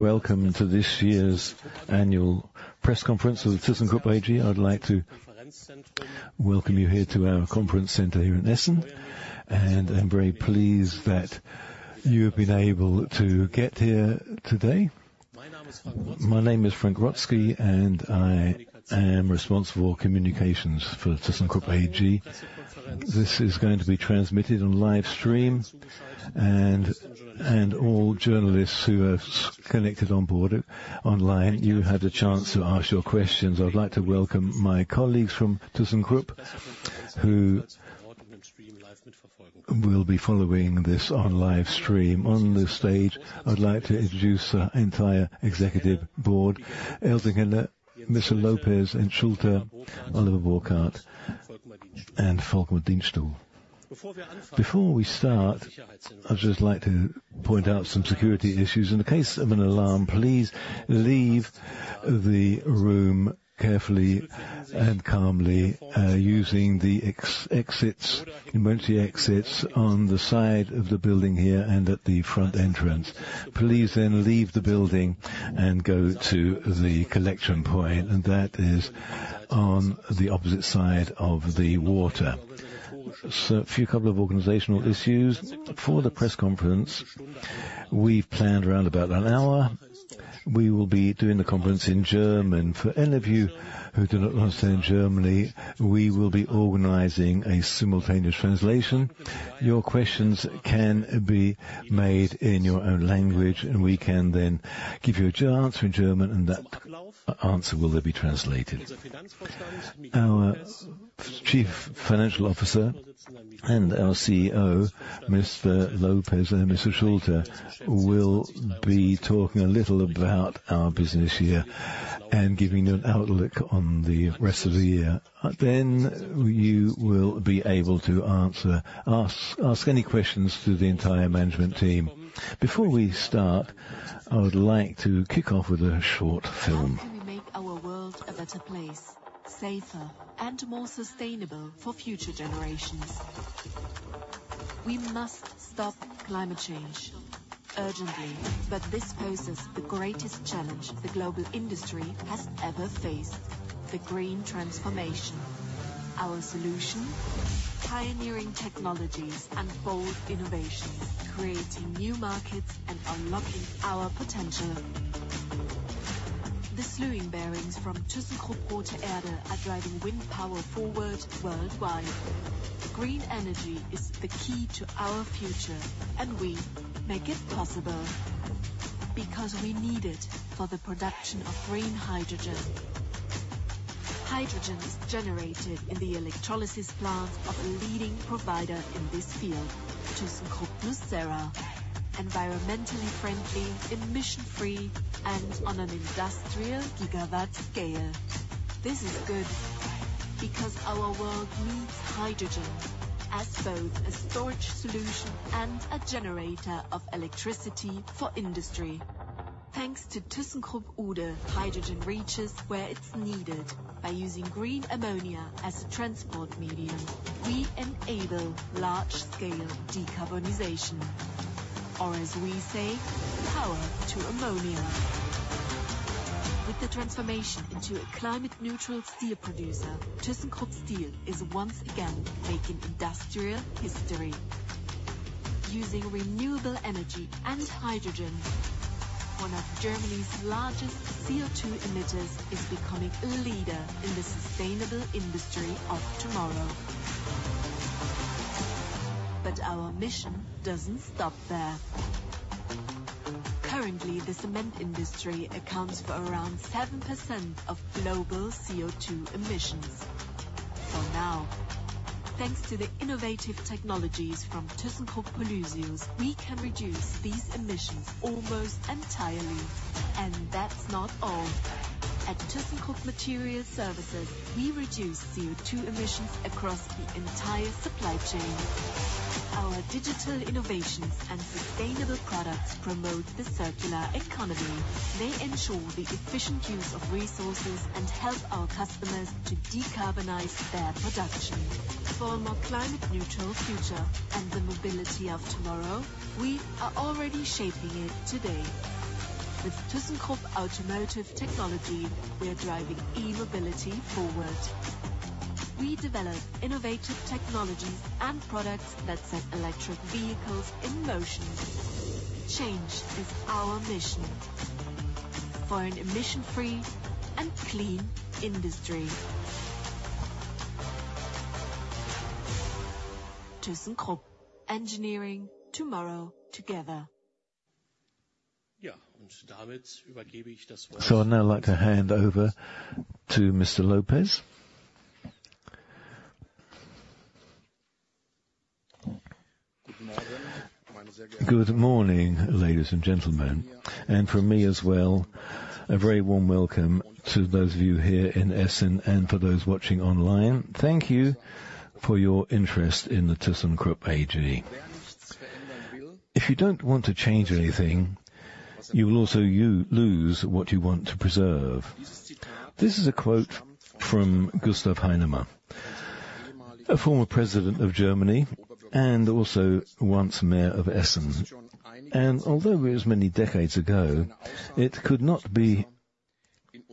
Welcome to this year's annual press conference of the Thyssenkrupp AG. I'd like to welcome you here to our conference center here in Essen, and I'm very pleased that you have been able to get here today. My name is Frank Radoske, and I am responsible for communications for Thyssenkrupp AG. This is going to be transmitted on live stream, and all journalists who have connected on board online, you had a chance to ask your questions. I'd like to welcome my colleagues from Thyssenkrupp, who will be following this on live stream on the stage. I'd like to introduce the entire executive board: Ilse Henne, Mr. López, and Schulte, Oliver Burkhard, and Volkmar Dinstuhl. Before we start, I'd just like to point out some security issues. In the case of an alarm, please leave the room carefully and calmly using the exits, emergency exits on the side of the building here and at the front entrance. Please then leave the building and go to the collection point, and that is on the opposite side of the water. So, a few couple of organizational issues. For the press conference, we've planned around about an hour. We will be doing the conference in German. For any of you who do not understand German, we will be organizing a simultaneous translation. Your questions can be made in your own language, and we can then give you a chance in German, and that answer will then be translated. Our Chief Financial Officer and our CEO, Mr. López and Mr. Schulte, will be talking a little about our business year and giving you an outlook on the rest of the year. Then you will be able to answer, ask any questions to the entire management team. Before we start, I would like to kick off with a short film. We make our world a better place, safer, and more sustainable for future generations. We must stop climate change urgently, but this poses the greatest challenge the global industry has ever faced: the green transformation. Our solution? Pioneering technologies and bold innovations, creating new markets and unlocking our potential. The slewing bearings from thyssenkrupp Rothe Erde are driving wind power forward worldwide. Green energy is the key to our future, and we make it possible because we need it for the production of green hydrogen. Hydrogen is generated in the electrolysis plant of a leading provider in this field, thyssenkrupp nucera. Environmentally friendly, emission-free, and on an industrial gigawatt scale. This is good because our world needs hydrogen as both a storage solution and a generator of electricity for industry. Thanks to thyssenkrupp Uhde, hydrogen reaches where it's needed. By using green ammonia as a transport medium, we enable large-scale decarbonization, or as we say, power to ammonia. With the transformation into a climate-neutral steel producer, thyssenkrupp Steel is once again making industrial history. Using renewable energy and hydrogen, one of Germany's largest CO2 emitters is becoming a leader in the sustainable industry of tomorrow. But our mission doesn't stop there. Currently, the cement industry accounts for around 7% of global CO2 emissions. For now, thanks to the innovative technologies from thyssenkrupp Polysius, we can reduce these emissions almost entirely. And that's not all. At thyssenkrupp Materials Services, we reduce CO2 emissions across the entire supply chain. Our digital innovations and sustainable products promote the circular economy. They ensure the efficient use of resources and help our customers to decarbonize their production. For a more climate-neutral future and the mobility of tomorrow, we are already shaping it today. With Thyssenkrupp Automotive Technology, we are driving e-mobility forward. We develop innovative technologies and products that set electric vehicles in motion. Change is our mission for an emission-free and clean industry. Thyssenkrupp, engineering tomorrow together. Ja, und damit übergebe ich das Wort. Sure, and I'd like to hand over to Mr. López. Guten Morgen, meine sehr geehrten Damen und Herren. Good morning, ladies and gentlemen, and from me as well, a very warm welcome to those of you here in Essen and for those watching online. Thank you for your interest in Thyssenkrupp AG. If you don't want to change anything, you will also lose what you want to preserve. This is a quote from Gustav Heinemann, a former president of Germany and also once mayor of Essen. And although it was many decades ago, it could not be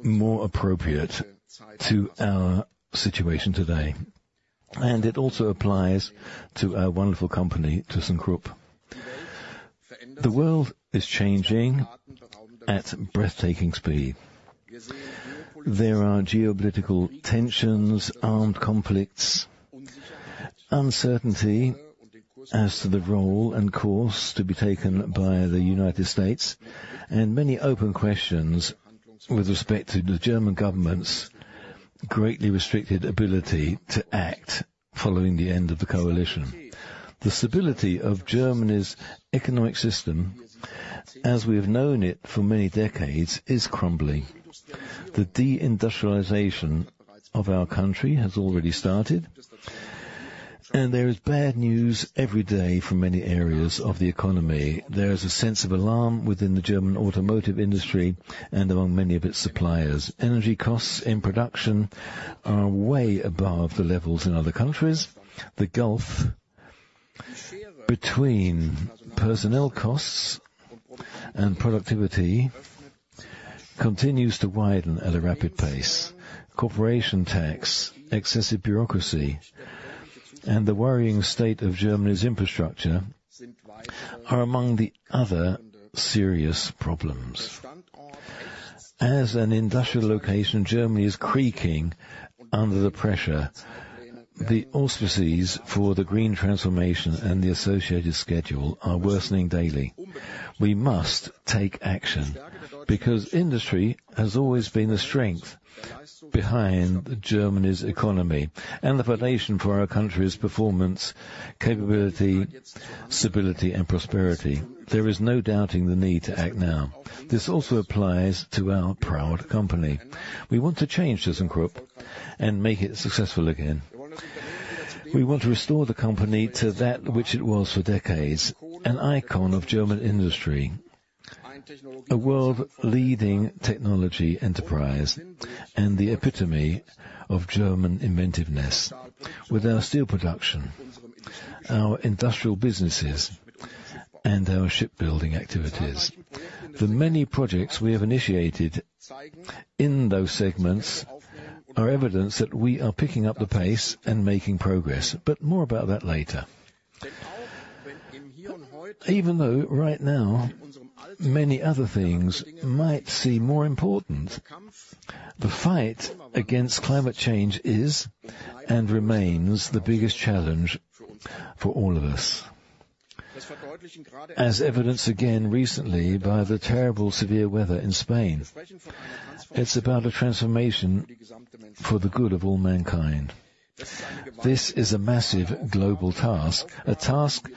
more appropriate to our situation today. And it also applies to our wonderful company, Thyssenkrupp. The world is changing at breathtaking speed. There are geopolitical tensions, armed conflicts, uncertainty as to the role and course to be taken by the United States, and many open questions with respect to the German government's greatly restricted ability to act following the end of the coalition. The stability of Germany's economic system, as we have known it for many decades, is crumbling. The deindustrialization of our country has already started, and there is bad news every day from many areas of the economy. There is a sense of alarm within the German automotive industry and among many of its suppliers. Energy costs in production are way above the levels in other countries. The gulf between personnel costs and productivity continues to widen at a rapid pace. Corporation tax, excessive bureaucracy, and the worrying state of Germany's infrastructure are among the other serious problems. As an industrial location, Germany is creaking under the pressure. The auspices for the green transformation and the associated schedule are worsening daily. We must take action because industry has always been the strength behind Germany's economy and the foundation for our country's performance, capability, stability, and prosperity. There is no doubting the need to act now. This also applies to our proud company. We want to change Thyssenkrupp and make it successful again. We want to restore the company to that which it was for decades: an icon of German industry, a world-leading technology enterprise, and the epitome of German inventiveness with our steel production, our industrial businesses, and our shipbuilding activities. The many projects we have initiated in those segments are evidence that we are picking up the pace and making progress. But more about that later. Even though right now many other things might seem more important, the fight against climate change is and remains the biggest challenge for all of us, as evidenced again recently by the terrible severe weather in Spain. It's about a transformation for the good of all mankind. This is a massive global task, a task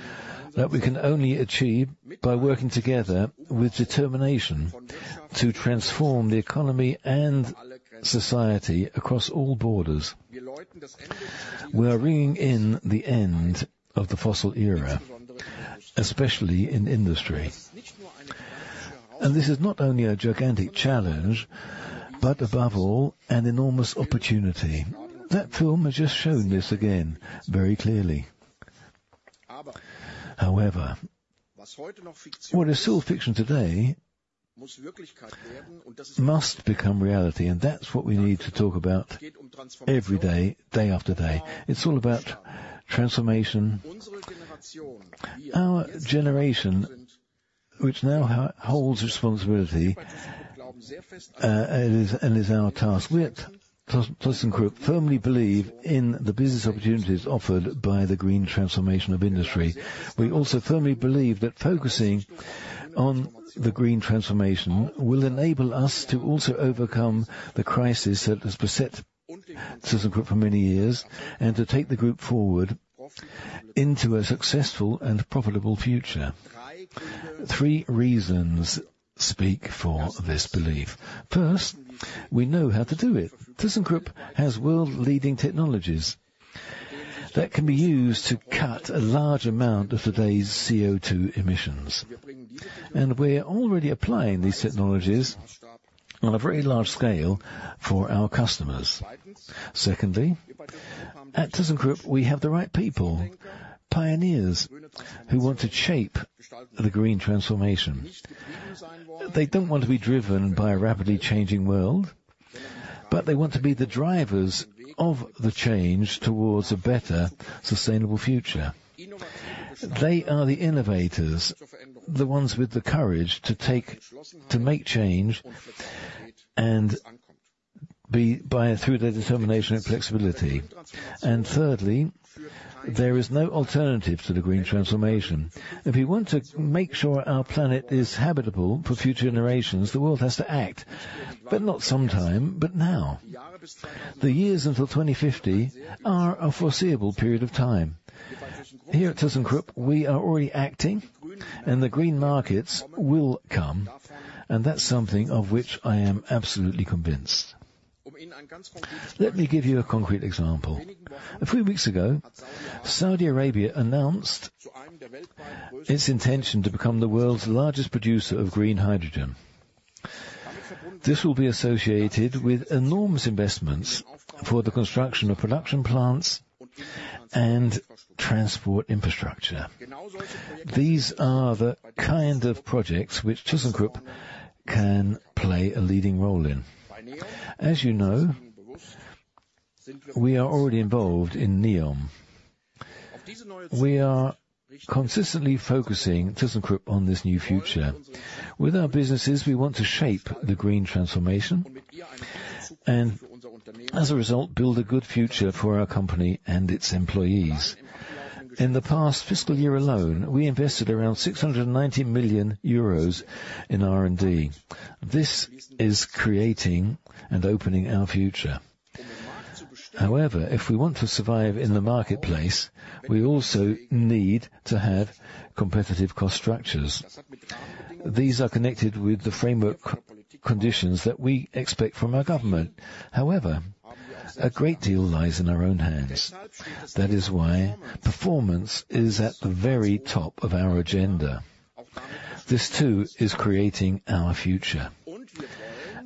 that we can only achieve by working together with determination to transform the economy and society across all borders. We are ringing in the end of the fossil era, especially in industry, and this is not only a gigantic challenge, but above all, an enormous opportunity. That film has just shown this again very clearly. However, what is still fiction today must become reality, and that's what we need to talk about every day, day after day. It's all about transformation. Our generation, which now holds responsibility, and is our task. We at thyssenkrupp firmly believe in the business opportunities offered by the green transformation of industry. We also firmly believe that focusing on the green transformation will enable us to also overcome the crisis that has beset thyssenkrupp for many years and to take the group forward into a successful and profitable future. Three reasons speak for this belief. First, we know how to do it. thyssenkrupp has world-leading technologies that can be used to cut a large amount of today's CO2 emissions, and we're already applying these technologies on a very large scale for our customers. Secondly, at thyssenkrupp, we have the right people, pioneers who want to shape the green transformation. They don't want to be driven by a rapidly changing world, but they want to be the drivers of the change towards a better, sustainable future. They are the innovators, the ones with the courage to make change and be pioneers through their determination and flexibility. And thirdly, there is no alternative to the green transformation. If we want to make sure our planet is habitable for future generations, the world has to act, but not sometime, but now. The years until 2050 are a foreseeable period of time. Here at thyssenkrupp, we are already acting, and the green markets will come, and that's something of which I am absolutely convinced. Let me give you a concrete example. A few weeks ago, Saudi Arabia announced its intention to become the world's largest producer of green hydrogen. This will be associated with enormous investments for the construction of production plants and transport infrastructure. These are the kind of projects which thyssenkrupp can play a leading role in. As you know, we are already involved in NEOM. We are consistently focusing thyssenkrupp on this new future. With our businesses, we want to shape the green transformation and, as a result, build a good future for our company and its employees. In the past fiscal year alone, we invested around 690 million euros in R&D. This is creating and opening our future. However, if we want to survive in the marketplace, we also need to have competitive cost structures. These are connected with the framework conditions that we expect from our government. However, a great deal lies in our own hands. That is why performance is at the very top of our agenda. This, too, is creating our future,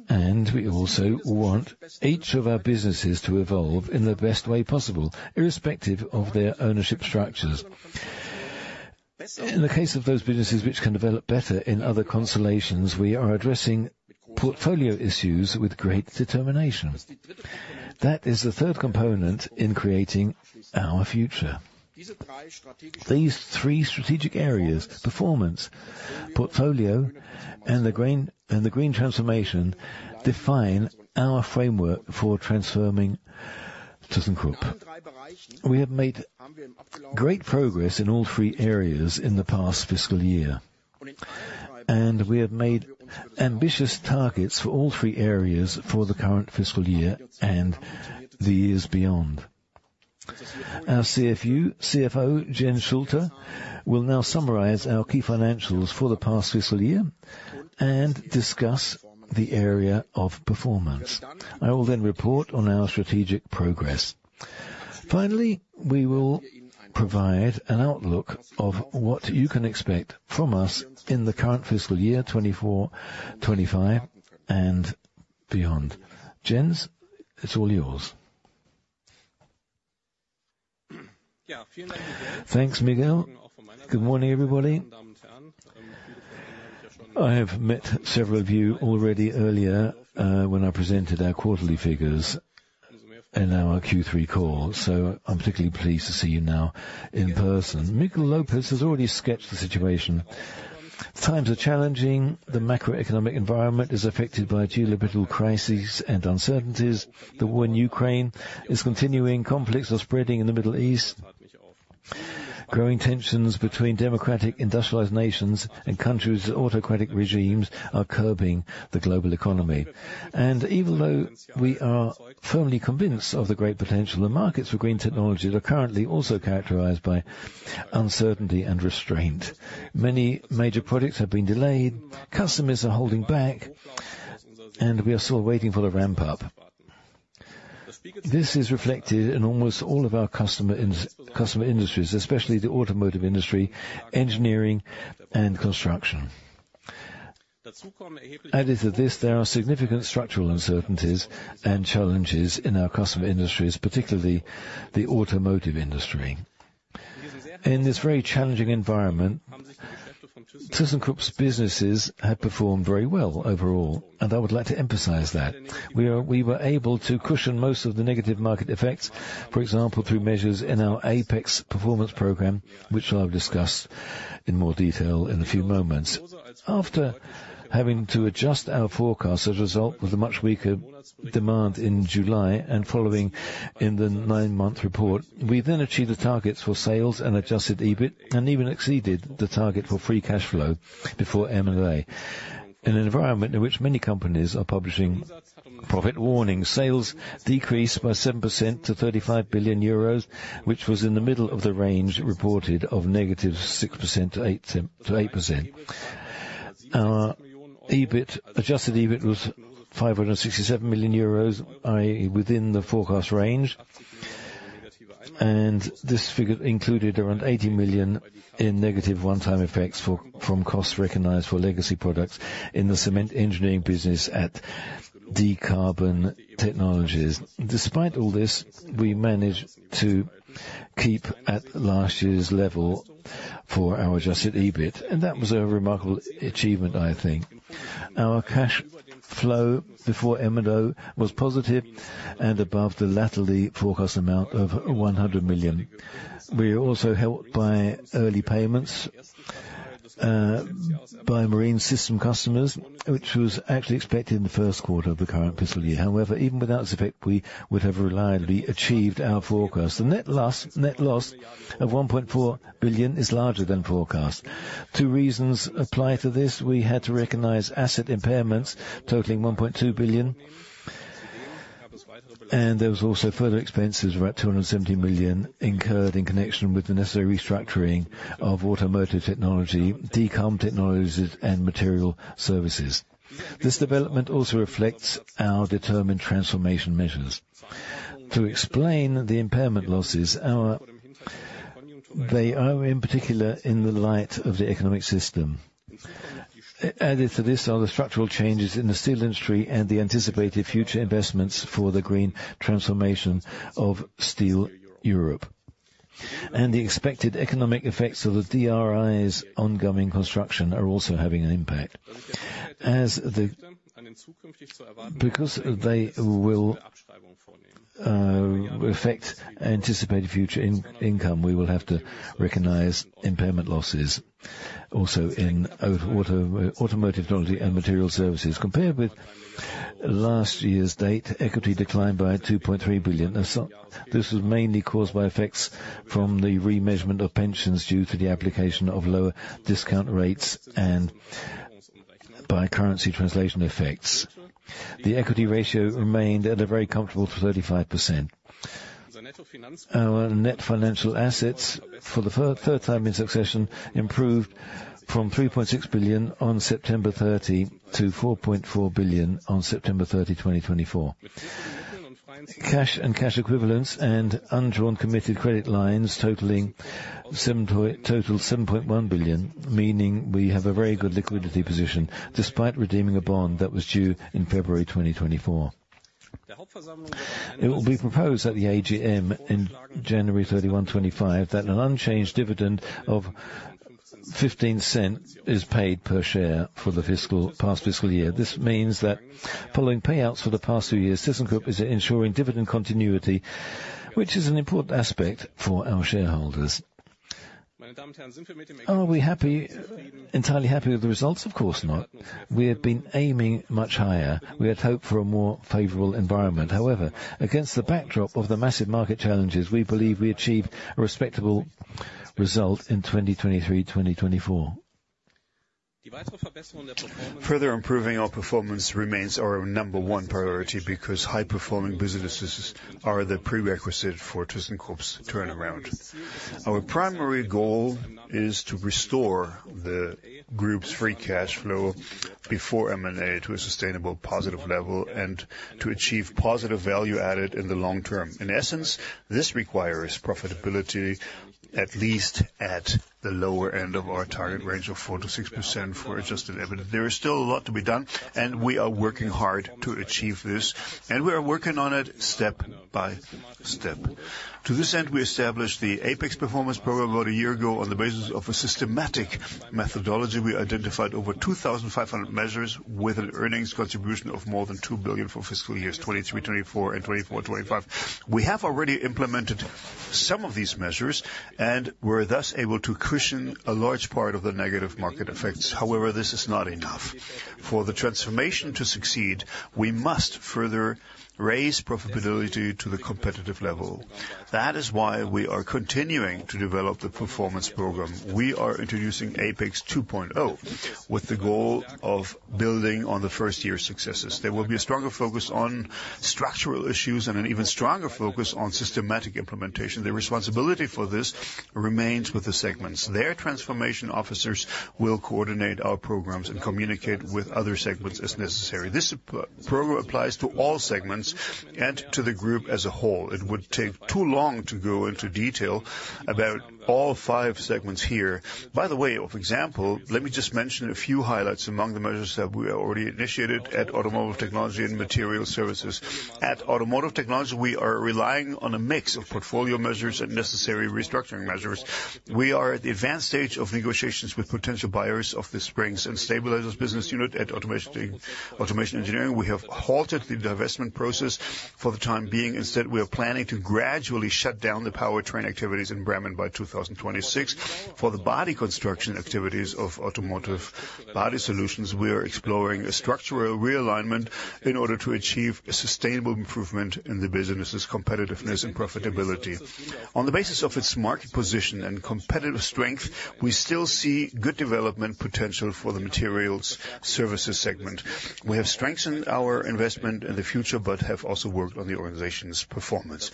and we also want each of our businesses to evolve in the best way possible, irrespective of their ownership structures. In the case of those businesses which can develop better in other constellations, we are addressing portfolio issues with great determination. That is the third component in creating our future. These three strategic areas: performance, portfolio, and the green transformation define our framework for transforming Thyssenkrupp. We have made great progress in all three areas in the past fiscal year, and we have made ambitious targets for all three areas for the current fiscal year and the years beyond. Our CFO, Jens Schulte, will now summarize our key financials for the past fiscal year and discuss the area of performance. I will then report on our strategic progress. Finally, we will provide an outlook of what you can expect from us in the current fiscal year, 2024, 2025, and beyond. Jens, it's all yours. Thanks, Miguel. Good morning, everybody. I have met several of you already earlier when I presented our quarterly figures in our Q3 call, so I'm particularly pleased to see you now in person. Miguel López has already sketched the situation. Times are challenging. The macroeconomic environment is affected by geopolitical crises and uncertainties. The war in Ukraine is continuing. Conflicts are spreading in the Middle East. Growing tensions between democratic, industrialized nations and countries with autocratic regimes are curbing the global economy, and even though we are firmly convinced of the great potential of the markets for green technology, they're currently also characterized by uncertainty and restraint. Many major projects have been delayed. Customers are holding back, and we are still waiting for the ramp-up. This is reflected in almost all of our customer industries, especially the automotive industry, engineering, and construction. Added to this, there are significant structural uncertainties and challenges in our customer industries, particularly the automotive industry. In this very challenging environment, thyssenkrupp's businesses have performed very well overall, and I would like to emphasize that. We were able to cushion most of the negative market effects, for example, through measures in our APEX performance program, which I'll discuss in more detail in a few moments. After having to adjust our forecast as a result of the much weaker demand in July and following in the nine-month report, we then achieved the targets for sales and adjusted EBIT and even exceeded the target for free cash flow before M&A. In an environment in which many companies are publishing profit warnings, sales decreased by 7% to 35 billion euros, which was in the middle of the range reported of negative 6% to 8%. Our adjusted EBIT was 567 million euros, i.e., within the forecast range, and this figure included around 80 million in negative one-time effects from costs recognized for legacy products in the cement engineering business at Decarbon Technologies. Despite all this, we managed to keep at last year's level for our Adjusted EBIT, and that was a remarkable achievement, I think. Our cash flow before M&A was positive and above the originally forecast amount of 100 million. We were also helped by early payments by Marine Systems customers, which was actually expected in the first quarter of the current fiscal year. However, even without this effect, we would have reliably achieved our forecast. The net loss of 1.4 billion is larger than forecast. Two reasons apply to this. We had to recognize asset impairments totaling 1.2 billion, and there was also further expenses of about 270 million incurred in connection with the necessary restructuring of Automotive Technology, Decarbon Technologies, and Materials Services. This development also reflects our determined transformation measures. To explain the impairment losses, they are in particular in the light of the economic situation. Added to this are the structural changes in the steel industry and the anticipated future investments for the green transformation of Steel Europe, and the expected economic effects of the DRI's ongoing construction are also having an impact. Because they will affect anticipated future income, we will have to recognize impairment losses also in automotive technology and Material Services. Compared with last year's date, equity declined by 2.3 billion. This was mainly caused by effects from the remeasurement of pensions due to the application of lower discount rates and by currency translation effects. The equity ratio remained at a very comfortable 35%. Our net financial assets for the third time in succession improved from 3.6 billion on September 30 to 4.4 billion on September 30, 2024. Cash and cash equivalents and undrawn committed credit lines totaling a total of 7.1 billion, meaning we have a very good liquidity position despite redeeming a bond that was due in February 2024. It will be proposed at the AGM in January 31, 2025, that an unchanged dividend of 0.15 is paid per share for the past fiscal year. This means that following payouts for the past two years, Thyssenkrupp is ensuring dividend continuity, which is an important aspect for our shareholders. Are we entirely happy with the results? Of course not. We have been aiming much higher. We had hoped for a more favorable environment. However, against the backdrop of the massive market challenges, we believe we achieved a respectable result in 2023 to 2024. Further improving our performance remains our number one priority because high-performing businesses are the prerequisite for Thyssenkrupp's turnaround. Our primary goal is to restore the group's free cash flow before M&A to a sustainable positive level and to achieve positive value added in the long term. In essence, this requires profitability at least at the lower end of our target range of 4% to 6% for Adjusted EBIT. There is still a lot to be done, and we are working hard to achieve this, and we are working on it step by step. To this end, we established the APEX performance program about a year ago on the basis of a systematic methodology. We identified over 2,500 measures with an earnings contribution of more than 2 billion for fiscal years 2023 to 2024 and 2024 to 2025. We have already implemented some of these measures and were thus able to cushion a large part of the negative market effects. However, this is not enough. For the transformation to succeed, we must further raise profitability to the competitive level. That is why we are continuing to develop the performance program. We are introducing APEX 2.0 with the goal of building on the first-year successes. There will be a stronger focus on structural issues and an even stronger focus on systematic implementation. The responsibility for this remains with the segments. Their transformation officers will coordinate our programs and communicate with other segments as necessary. This program applies to all segments and to the group as a whole. It would take too long to go into detail about all five segments here. By the way, for example, let me just mention a few highlights among the measures that we have already initiated at Automotive Technology and Material Services. At Automotive Technology, we are relying on a mix of portfolio measures and necessary restructuring measures. We are at the advanced stage of negotiations with potential buyers of the springs and stabilizers business unit at Automotive Engineering. We have halted the divestment process for the time being. Instead, we are planning to gradually shut down the powertrain activities in Bremen by 2026. For the body construction activities of Automotive Body Solutions, we are exploring a structural realignment in order to achieve a sustainable improvement in the business's competitiveness and profitability. On the basis of its market position and competitive strength, we still see good development potential for the Materials Services segment. We have strengthened our investment in the future but have also worked on the organization's performance.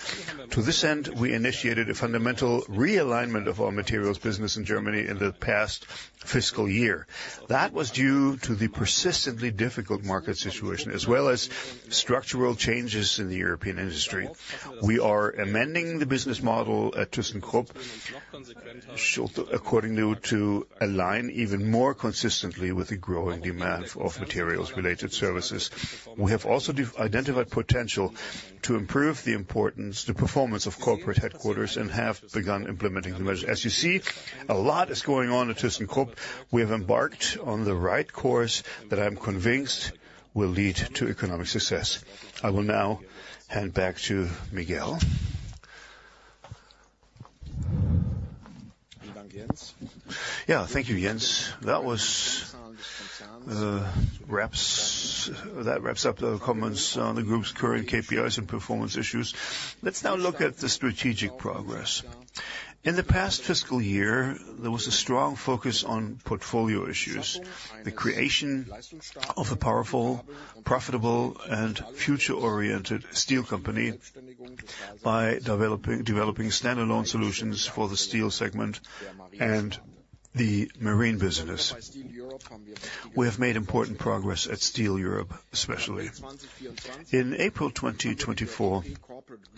To this end, we initiated a fundamental realignment of our materials business in Germany in the past fiscal year. That was due to the persistently difficult market situation as well as structural changes in the European industry. We are amending the business model at Thyssenkrupp accordingly to align even more consistently with the growing demand for materials-related services. We have also identified potential to improve the performance of corporate headquarters and have begun implementing the measures. As you see, a lot is going on at Thyssenkrupp. We have embarked on the right course that I'm convinced will lead to economic success. I will now hand back to Miguel. Yeah, thank you, Jens. That wraps up the comments on the group's current KPIs and performance issues. Let's now look at the strategic progress. In the past fiscal year, there was a strong focus on portfolio issues, the creation of a powerful, profitable, and future-oriented steel company by developing standalone solutions for the steel segment and the marine business. We have made important progress at Steel Europe, especially. In April 2024,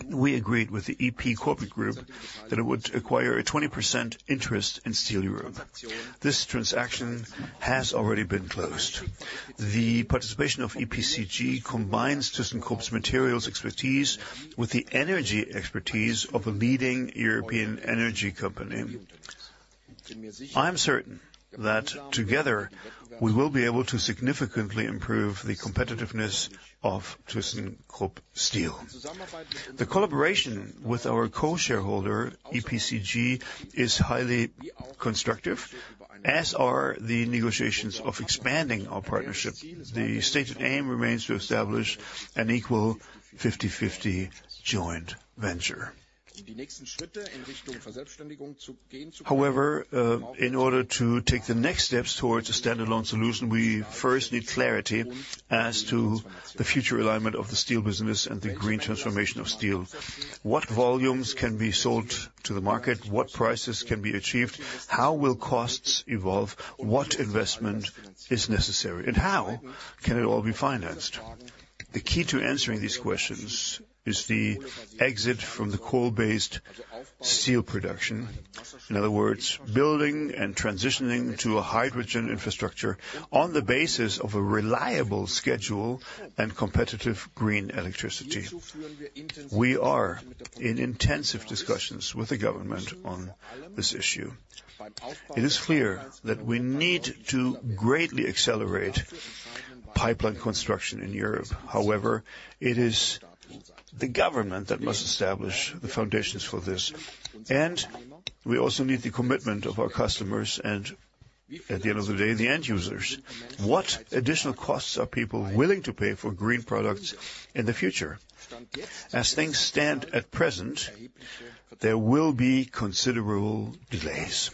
we agreed with the EP Corporate Group that it would acquire a 20% interest in Steel Europe. This transaction has already been closed. The participation of EPCG combines thyssenkrupp's materials expertise with the energy expertise of a leading European energy company. I am certain that together, we will be able to significantly improve the competitiveness of thyssenkrupp Steel. The collaboration with our co-shareholder, EPCG, is highly constructive, as are the negotiations of expanding our partnership. The stated aim remains to establish an equal 50/50 joint venture. However, in order to take the next steps towards a standalone solution, we first need clarity as to the future alignment of the steel business and the green transformation of steel. What volumes can be sold to the market? What prices can be achieved? How will costs evolve? What investment is necessary? And how can it all be financed? The key to answering these questions is the exit from the coal-based steel production. In other words, building and transitioning to a hydrogen infrastructure on the basis of a reliable schedule and competitive green electricity. We are in intensive discussions with the government on this issue. It is clear that we need to greatly accelerate pipeline construction in Europe. However, it is the government that must establish the foundations for this, and we also need the commitment of our customers and, at the end of the day, the end users. What additional costs are people willing to pay for green products in the future? As things stand at present, there will be considerable delays.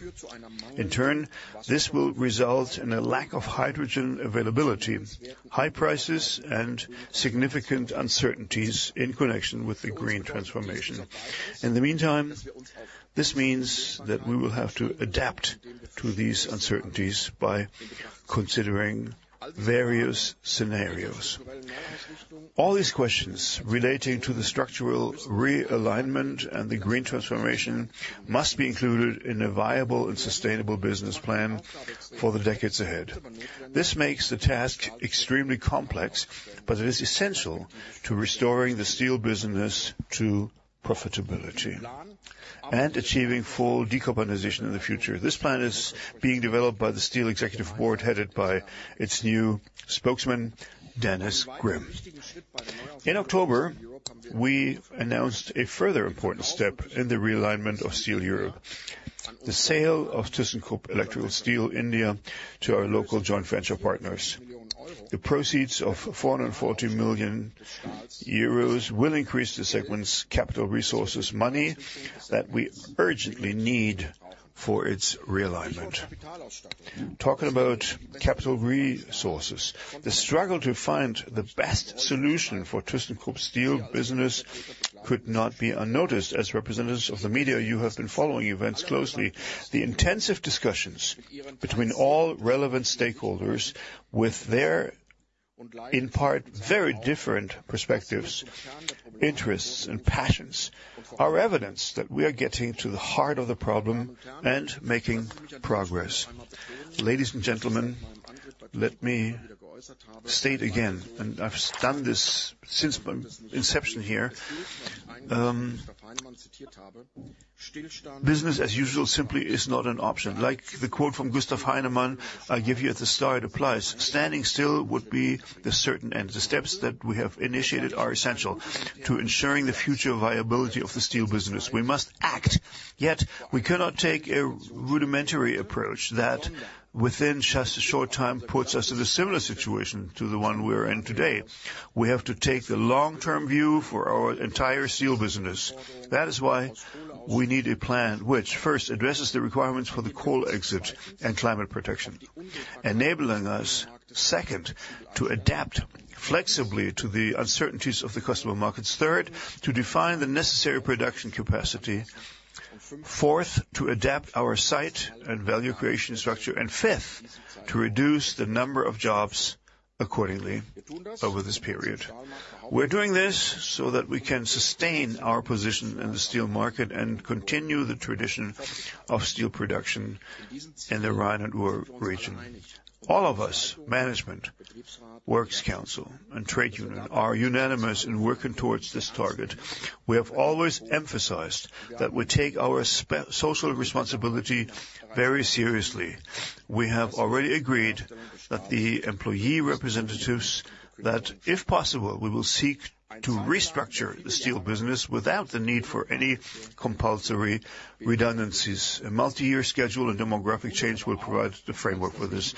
In turn, this will result in a lack of hydrogen availability, high prices, and significant uncertainties in connection with the green transformation. In the meantime, this means that we will have to adapt to these uncertainties by considering various scenarios. All these questions relating to the structural realignment and the green transformation must be included in a viable and sustainable business plan for the decades ahead. This makes the task extremely complex, but it is essential to restoring the steel business to profitability and achieving full decarbonization in the future. This plan is being developed by the Steel Executive Board, headed by its new spokesman, Dennis Grimm. In October, we announced a further important step in the realignment of Steel Europe: the sale of Thyssenkrupp Electrical Steel India to our local joint venture partners. The proceeds of 440 million euros will increase the segment's capital resources, money that we urgently need for its realignment. Talking about capital resources, the struggle to find the best solution for Thyssenkrupp's steel business could not be unnoticed. As representatives of the media, you have been following events closely. The intensive discussions between all relevant stakeholders with their, in part, very different perspectives, interests, and passions are evidence that we are getting to the heart of the problem and making progress. Ladies and gentlemen, let me state again, and I've done this since my inception here, business as usual simply is not an option. Like the quote from Gustav Heinemann I gave you at the start applies. Standing still would be the certain end. The steps that we have initiated are essential to ensuring the future viability of the steel business. We must act. Yet we cannot take a rudimentary approach that, within just a short time, puts us in a similar situation to the one we are in today. We have to take the long-term view for our entire steel business. That is why we need a plan which, first, addresses the requirements for the coal exit and climate protection, enabling us, second, to adapt flexibly to the uncertainties of the customer markets, third, to define the necessary production capacity, fourth, to adapt our site and value creation structure, and fifth, to reduce the number of jobs accordingly over this period. We're doing this so that we can sustain our position in the steel market and continue the tradition of steel production in the Rhine and Ruhr region. All of us, management, works council, and trade union, are unanimous in working towards this target. We have always emphasized that we take our social responsibility very seriously. We have already agreed that the employee representatives, that if possible, we will seek to restructure the steel business without the need for any compulsory redundancies. A multi-year schedule and demographic change will provide the framework for this.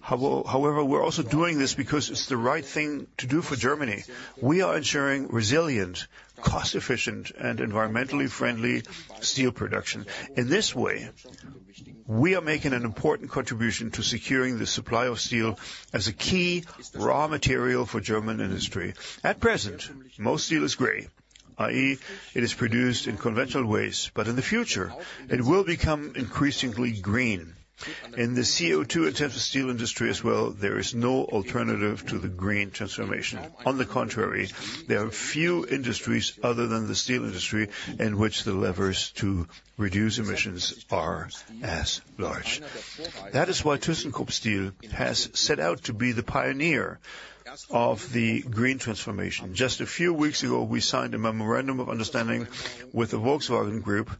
However, we're also doing this because it's the right thing to do for Germany. We are ensuring resilient, cost-efficient, and environmentally friendly steel production. In this way, we are making an important contribution to securing the supply of steel as a key raw material for German industry. At present, most steel is gray, i.e., it is produced in conventional ways, but in the future, it will become increasingly green. In the CO2-intensive steel industry as well, there is no alternative to the green transformation. On the contrary, there are few industries other than the steel industry in which the levers to reduce emissions are as large. That is why Thyssenkrupp Steel has set out to be the pioneer of the green transformation. Just a few weeks ago, we signed a memorandum of understanding with the Volkswagen Group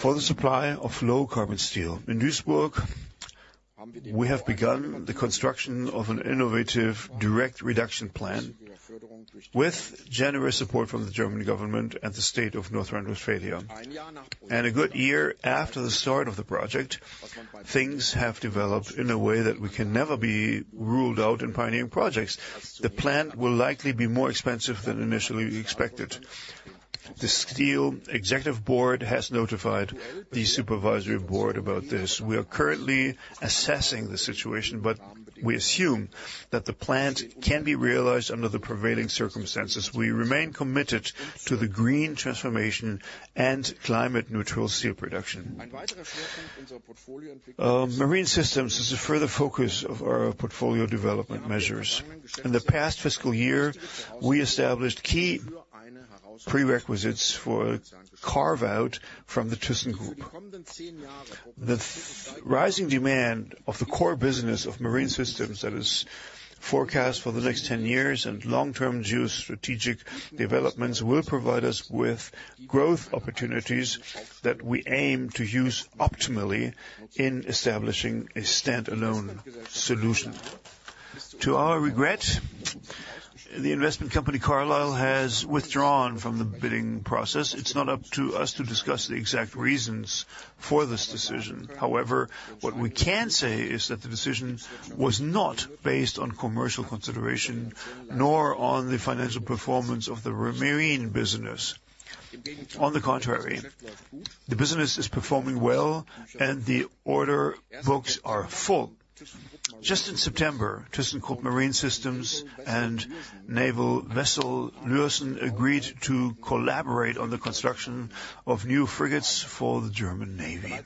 for the supply of low-carbon steel. In Duisburg, we have begun the construction of an innovative direct reduction plant with generous support from the German government and the state of North Rhine-Westphalia. And a good year after the start of the project, things have developed in a way that we can never rule out in pioneering projects. The plant will likely be more expensive than initially expected. The Steel Executive Board has notified the Supervisory Board about this. We are currently assessing the situation, but we assume that the plan can be realized under the prevailing circumstances. We remain committed to the green transformation and climate-neutral steel production. Marine Systems is a further focus of our portfolio development measures. In the past fiscal year, we established key prerequisites for a carve-out from thyssenkrupp. The rising demand of the core business of Marine Systems that is forecast for the next 10 years and long-term strategic developments will provide us with growth opportunities that we aim to use optimally in establishing a standalone solution. To our regret, the investment company Carlyle has withdrawn from the bidding process. It's not up to us to discuss the exact reasons for this decision. However, what we can say is that the decision was not based on commercial consideration nor on the financial performance of the marine business. On the contrary, the business is performing well, and the order books are full. Just in September, Thyssenkrupp Marine Systems and Naval Vessel Lürssen agreed to collaborate on the construction of new frigates for the German Navy.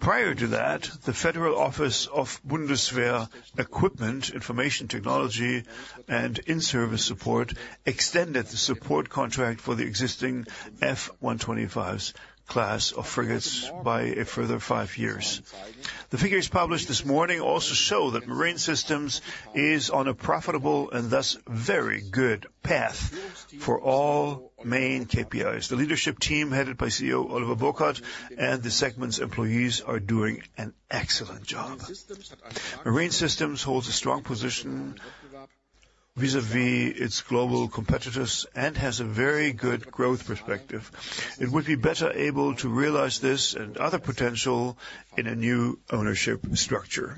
Prior to that, the Federal Office of Bundeswehr Equipment Information Technology and In-Service Support extended the support contract for the existing F125 class of frigates by a further five years. The figures published this morning also show that Marine Systems is on a profitable and thus very good path for all main KPIs. The leadership team headed by CEO Oliver Burkhard and the segment's employees are doing an excellent job. Marine Systems holds a strong position vis-à-vis its global competitors and has a very good growth perspective. It would be better able to realize this and other potential in a new ownership structure.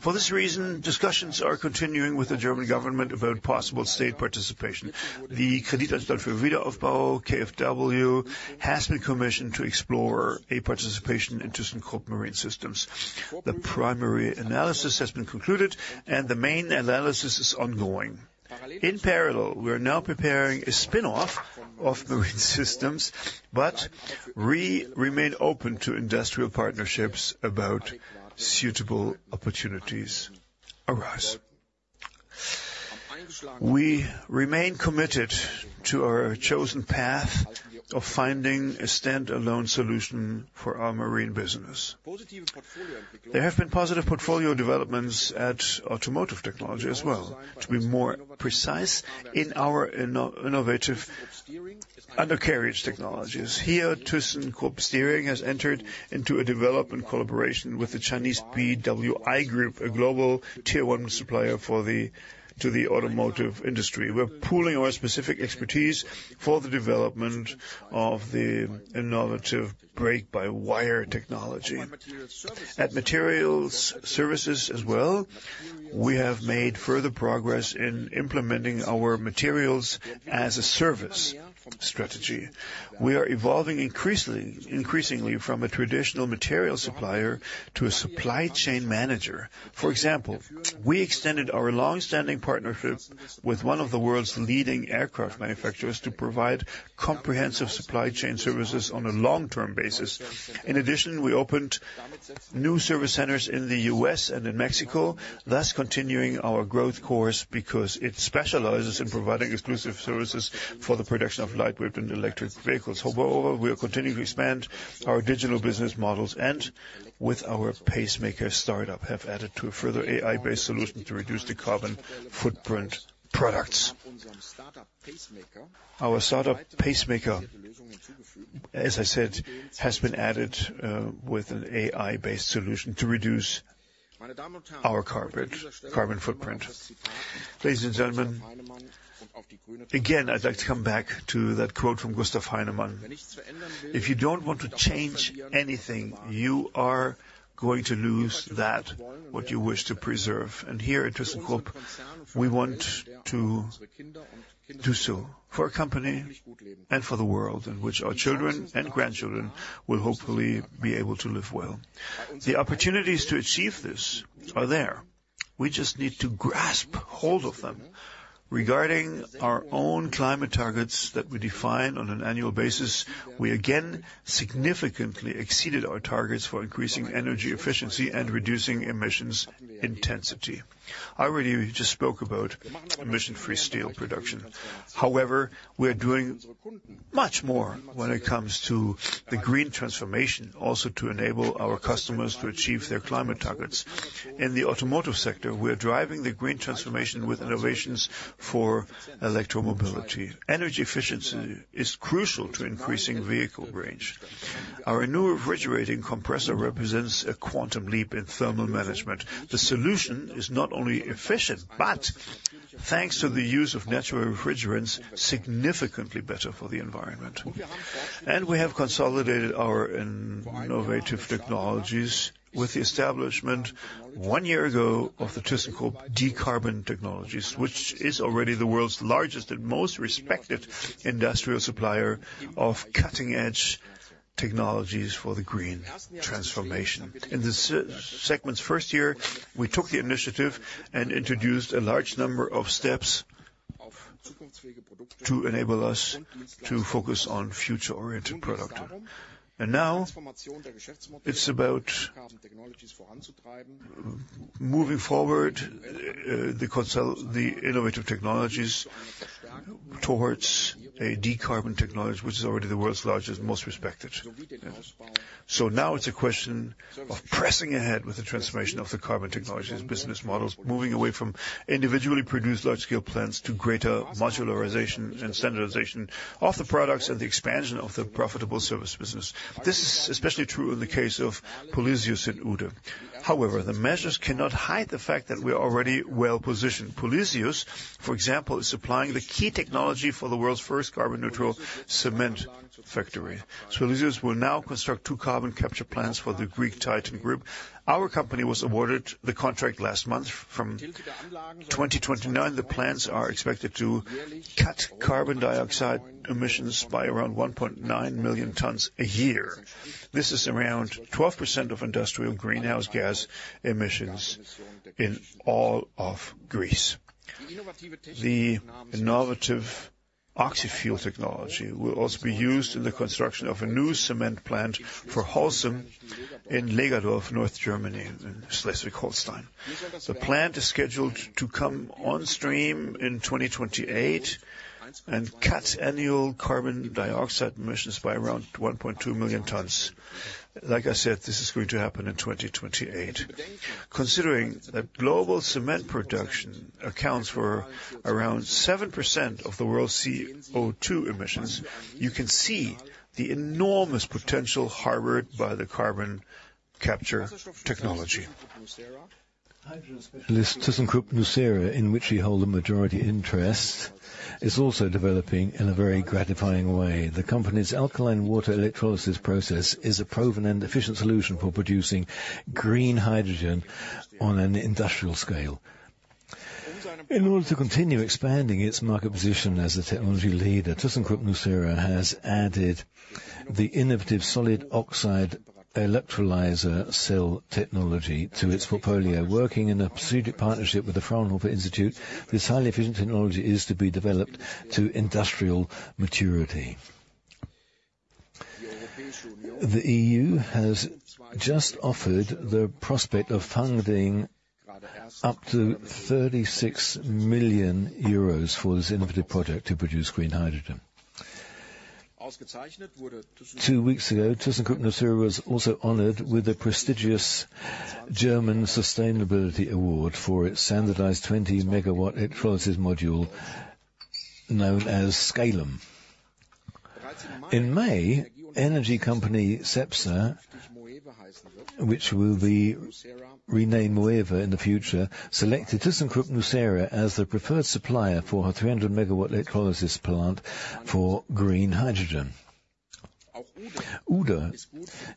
For this reason, discussions are continuing with the German government about possible state participation. The Kreditanstalt für Wiederaufbau (KfW) has been commissioned to explore a participation in Thyssenkrupp Marine Systems. The primary analysis has been concluded, and the main analysis is ongoing. In parallel, we are now preparing a spin-off of Marine Systems, but we remain open to industrial partnerships about suitable opportunities arise. We remain committed to our chosen path of finding a standalone solution for our marine business. There have been positive portfolio developments at Automotive Technology as well. To be more precise, in our innovative undercarriage technologies. Here, Thyssenkrupp Steering has entered into a development collaboration with the Chinese BWI Group, a global tier-one supplier to the automotive industry. We're pooling our specific expertise for the development of the innovative brake-by-wire technology. At Materials Services as well, we have made further progress in implementing our Materials-as-a-Service strategy. We are evolving increasingly from a traditional materials supplier to a supply chain manager. For example, we extended our long-standing partnership with one of the world's leading aircraft manufacturers to provide comprehensive supply chain services on a long-term basis. In addition, we opened new service centers in the US and in Mexico, thus continuing our growth course because it specializes in providing exclusive services for the production of lightweight and electric vehicles. However, we are continuing to expand our digital business models, and with our pacemaker startup, we have added to a further AI-based solution to reduce the carbon footprint. Products. Our startup pacemaker, as I said, has been added with an AI-based solution to reduce our carbon footprint. Ladies and gentlemen, again, I'd like to come back to that quote from Gustav Heinemann. If you don't want to change anything, you are going to lose that what you wish to preserve, and here at thyssenkrupp, we want to do so for a company and for the world in which our children and grandchildren will hopefully be able to live well. The opportunities to achieve this are there. We just need to grasp hold of them. Regarding our own climate targets that we define on an annual basis, we again significantly exceeded our targets for increasing energy efficiency and reducing emissions intensity. I already just spoke about emission-free steel production. However, we are doing much more when it comes to the green transformation, also to enable our customers to achieve their climate targets. In the automotive sector, we are driving the green transformation with innovations for electromobility. Energy efficiency is crucial to increasing vehicle range. Our new refrigerating compressor represents a quantum leap in thermal management. The solution is not only efficient, but thanks to the use of natural refrigerants, significantly better for the environment. We have consolidated our innovative technologies with the establishment one year ago of the thyssenkrupp Decarbon Technologies, which is already the world's largest and most respected industrial supplier of cutting-edge technologies for the green transformation. In the segment's first year, we took the initiative and introduced a large number of steps to enable us to focus on future-oriented production. Now it's about moving forward the innovative technologies towards a decarbonization technology, which is already the world's largest and most respected. So now it's a question of pressing ahead with the transformation of the carbon technologies business models, moving away from individually produced large-scale plants to greater modularization and standardization of the products and the expansion of the profitable service business. This is especially true in the case of Polysius and Uhde. However, the measures cannot hide the fact that we are already well positioned. Polysius, for example, is supplying the key technology for the world's first carbon-neutral cement factory. Polysius will now construct two carbon capture plants for the Greek Titan Group. Our company was awarded the contract last month. From 2029, the plants are expected to cut carbon dioxide emissions by around 1.9 million tons a year. This is around 12% of industrial greenhouse gas emissions in all of Greece. The innovative oxy-fuel technology will also be used in the construction of a new cement plant for Holcim in Lägerdorf, North Germany, in Schleswig-Holstein. The plant is scheduled to come on stream in 2028 and cut annual carbon dioxide emissions by around 1.2 million tons. Like I said, this is going to happen in 2028. Considering that global cement production accounts for around 7% of the world's CO2 emissions, you can see the enormous potential harbored by the carbon capture technology. This thyssenkrupp nucera, in which we hold a majority interest, is also developing in a very gratifying way. The company's alkaline water electrolysis process is a proven and efficient solution for producing green hydrogen on an industrial scale. In order to continue expanding its market position as a technology leader, thyssenkrupp nucera has added the innovative solid oxide electrolyzer cell technology to its portfolio. Working in a strategic partnership with the Fraunhofer Institute, this highly efficient technology is to be developed to industrial maturity. The EU has just offered the prospect of funding up to 36 million euros for this innovative project to produce green hydrogen. Two weeks ago, thyssenkrupp nucera was also honored with a prestigious German sustainability award for its standardized 20-megawatt electrolysis module known as scalum. In May, energy company Cepsa, which will be renamed Moeve in the future, selected thyssenkrupp nucera as the preferred supplier for her 300-megawatt electrolysis plant for green hydrogen. Uhde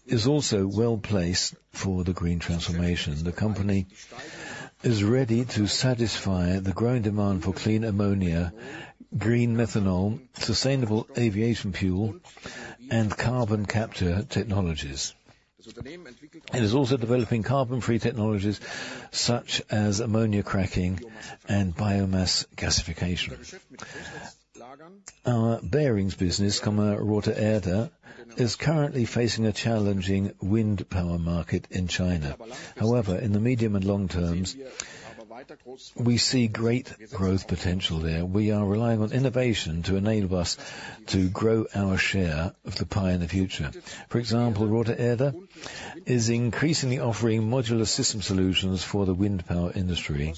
is also well placed for the green transformation. The company is ready to satisfy the growing demand for clean ammonia, green methanol, sustainable aviation fuel, and carbon capture technologies. It is also developing carbon-free technologies such as ammonia cracking and biomass gasification. Our bearings business, Rothe Erde, is currently facing a challenging wind power market in China. However, in the medium and long terms, we see great growth potential there. We are relying on innovation to enable us to grow our share of the pie in the future. For example, Rothe Erde is increasingly offering modular system solutions for the wind power industry,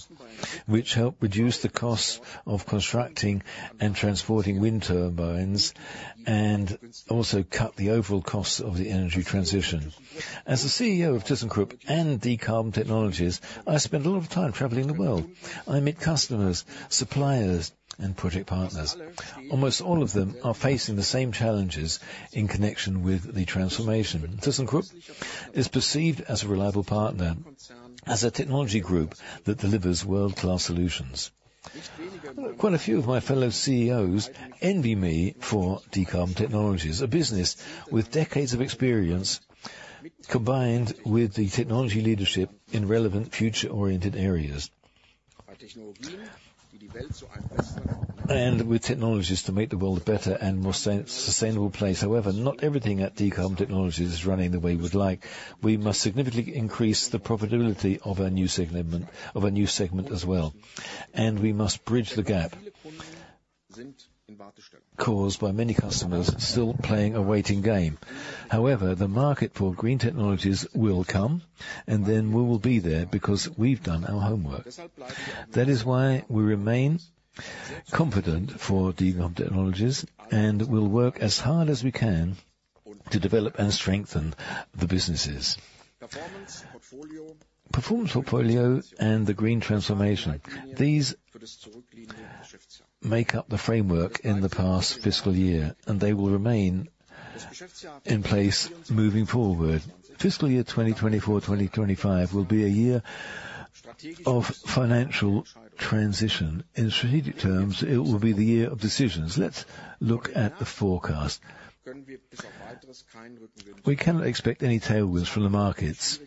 which help reduce the costs of constructing and transporting wind turbines and also cut the overall costs of the energy transition. As the CEO of thyssenkrupp Decarbon Technologies, I spend a lot of time traveling the world. I meet customers, suppliers, and project partners. Almost all of them are facing the same challenges in connection with the transformation. thyssenkrupp is perceived as a reliable partner, as a technology group that delivers world-class solutions. Quite a few of my fellow CEOs envy me for Decarbon Technologies, a business with decades of experience combined with the technology leadership in relevant future-oriented areas and with technologies to make the world a better and more sustainable place. However, not everything at Decarbon Technologies is running the way we would like. We must significantly increase the profitability of our new segment as well, and we must bridge the gap caused by many customers still playing a waiting game. However, the market for green technologies will come, and then we will be there because we've done our homework. That is why we remain confident for Decarbon Technologies and will work as hard as we can to develop and strengthen the businesses. Performance portfolio and the green transformation, these make up the framework in the past fiscal year, and they will remain in place moving forward. Fiscal year 2024 to 2025 will be a year of financial transition. In strategic terms, it will be the year of decisions. Let's look at the forecast. We cannot expect any tailwinds from the markets.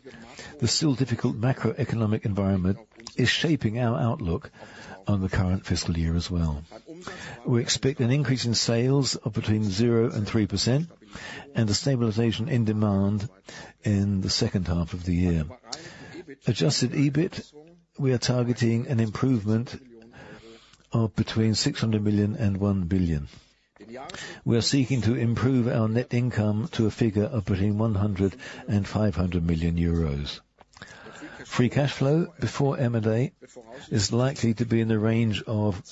The still difficult macroeconomic environment is shaping our outlook on the current fiscal year as well. We expect an increase in sales of between 0 and 3% and a stabilization in demand in the second half of the year. Adjusted EBIT, we are targeting an improvement of between 600 million and 1 billion. We are seeking to improve our net income to a figure of between 100 million and 500 million euros. Free cash flow before M&A is likely to be in the range of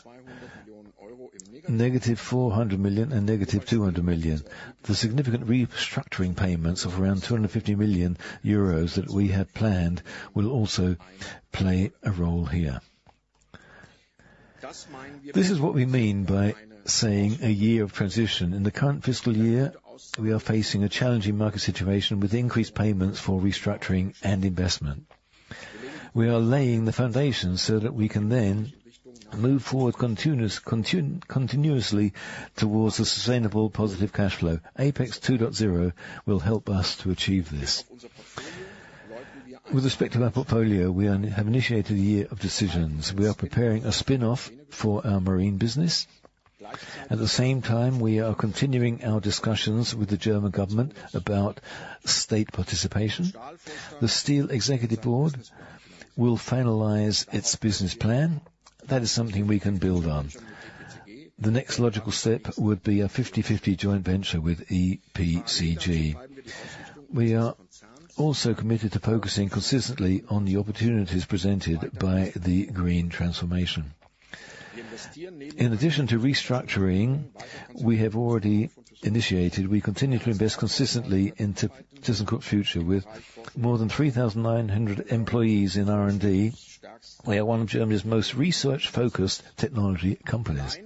negative 400 million and negative 200 million. The significant restructuring payments of around 250 million euros that we have planned will also play a role here. This is what we mean by saying a year of transition. In the current fiscal year, we are facing a challenging market situation with increased payments for restructuring and investment. We are laying the foundation so that we can then move forward continuously towards a sustainable positive cash flow. APEX 2.0 will help us to achieve this. With respect to our portfolio, we have initiated a year of decisions. We are preparing a spin-off for our marine business. At the same time, we are continuing our discussions with the German government about state participation. The Steel Executive Board will finalize its business plan. That is something we can build on. The next logical step would be a 50/50 joint venture with EPCG. We are also committed to focusing consistently on the opportunities presented by the green transformation. In addition to restructuring, we have already initiated. We continue to invest consistently into thyssenkrupp Future with more than 3,900 employees in R&D. We are one of Germany's most research-focused technology companies.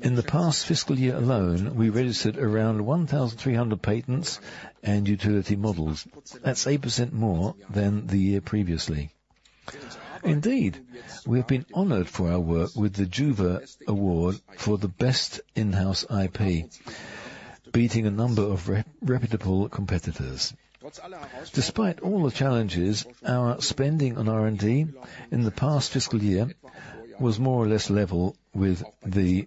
In the past fiscal year alone, we registered around 1,300 patents and utility models. That's 8% more than the year previously. Indeed, we have been honored for our work with the JUVE Award for the best in-house IP, beating a number of reputable competitors. Despite all the challenges, our spending on R&D in the past fiscal year was more or less level with the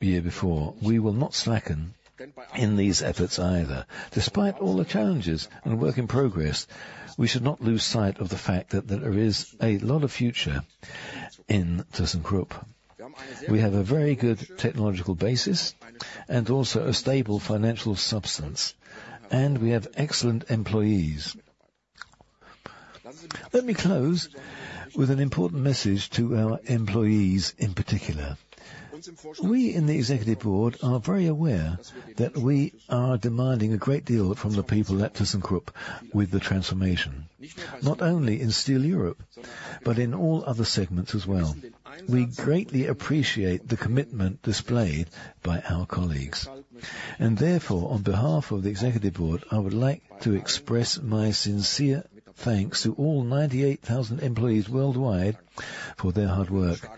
year before. We will not slacken in these efforts either. Despite all the challenges and work in progress, we should not lose sight of the fact that there is a lot of future in thyssenkrupp. We have a very good technological basis and also a stable financial substance, and we have excellent employees. Let me close with an important message to our employees in particular. We in the Executive Board are very aware that we are demanding a great deal from the people at Thyssenkrupp with the transformation, not only in Steel Europe, but in all other segments as well. We greatly appreciate the commitment displayed by our colleagues. And therefore, on behalf of the Executive Board, I would like to express my sincere thanks to all 98,000 employees worldwide for their hard work,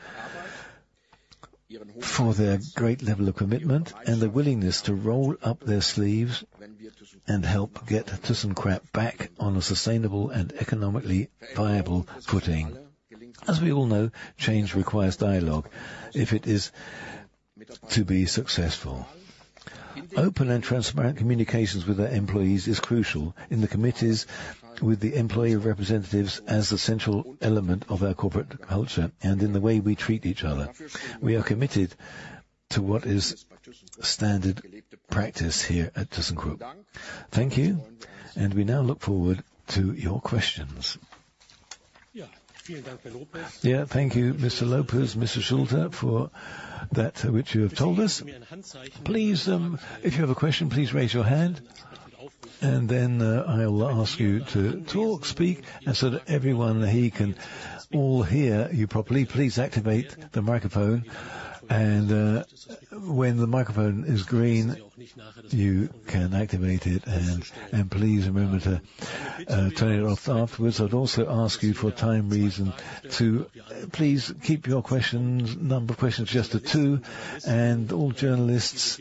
for their great level of commitment, and the willingness to roll up their sleeves and help get Thyssenkrupp back on a sustainable and economically viable footing. As we all know, change requires dialogue if it is to be successful. Open and transparent communications with our employees is crucial in the committees with the employee representatives as a central element of our corporate culture and in the way we treat each other. We are committed to what is standard practice here at Thyssenkrupp. Thank you, and we now look forward to your questions. Yeah, thank you, Mr. López, Mr. Schulte, for that which you have told us. Please, if you have a question, please raise your hand, and then I'll ask you to talk, speak, and so that everyone here can all hear you properly. Please activate the microphone, and when the microphone is green, you can activate it. And please remember to turn it off afterwards. I'd also ask you for a time reason to please keep your questions, number of questions just to two. All journalists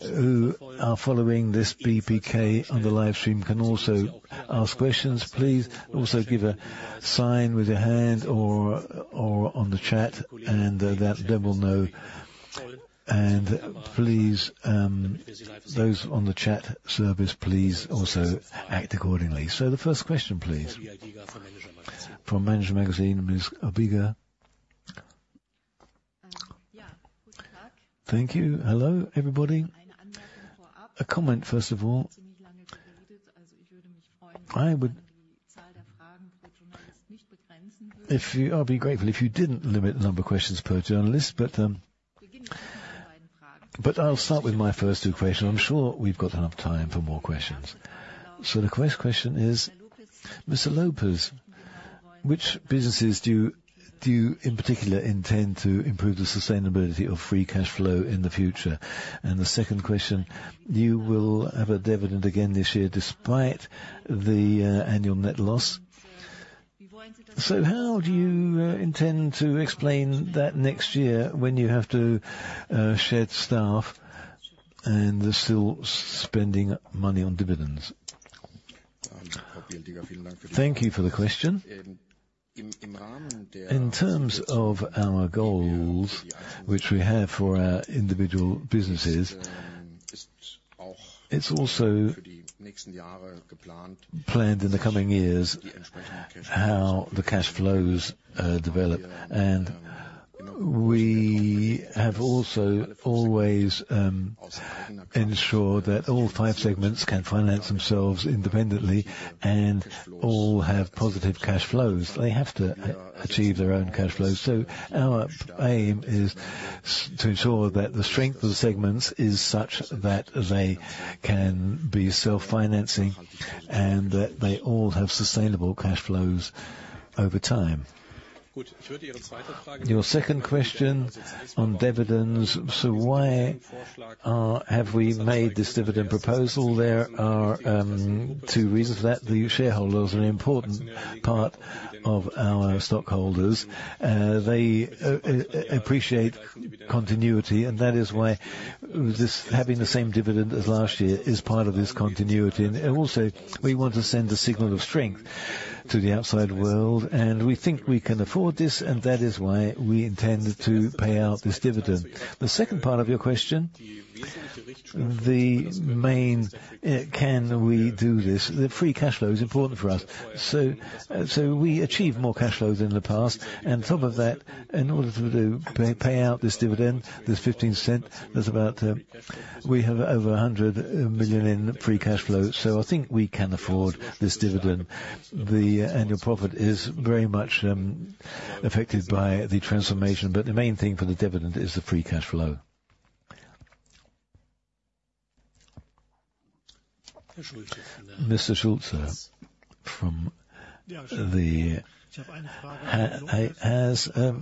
who are following this BPK on the live stream can also ask questions. Please also give a sign with your hand or on the chat, and that they will know. Please, those on the chat service, please also act accordingly. The first question, please, from Manager Magazin, Ms. Obiega. Thank you. Hello, everybody. A comment, first of all. I would be grateful if you didn't limit the number of questions per journalist, but I'll start with my first two questions. I'm sure we've got enough time for more questions. The first question is, Mr. López, which businesses do you in particular intend to improve the sustainability of free cash flow in the future? And the second question, will you have a dividend again this year despite the annual net loss? So how do you intend to explain that next year when you have to shed staff and still spending money on dividends? Thank you for the question. In terms of our goals, which we have for our individual businesses, it's also planned in the coming years how the cash flows develop. And we have also always ensured that all five segments can finance themselves independently and all have positive cash flows. They have to achieve their own cash flows. So our aim is to ensure that the strength of the segments is such that they can be self-financing and that they all have sustainable cash flows over time. Your second question on dividends, so why have we made this dividend proposal? There are two reasons for that. The shareholders are an important part of our stockholders. They appreciate continuity, and that is why having the same dividend as last year is part of this continuity. Also, we want to send a signal of strength to the outside world, and we think we can afford this, and that is why we intend to pay out this dividend. The second part of your question, the main, can we do this? The free cash flow is important for us. We achieve more cash flows than in the past. On top of that, in order to pay out this dividend, this €0.15, we have over €100 million in free cash flow. I think we can afford this dividend. The annual profit is very much affected by the transformation, but the main thing for the dividend is the free cash flow. Mr. Schulte has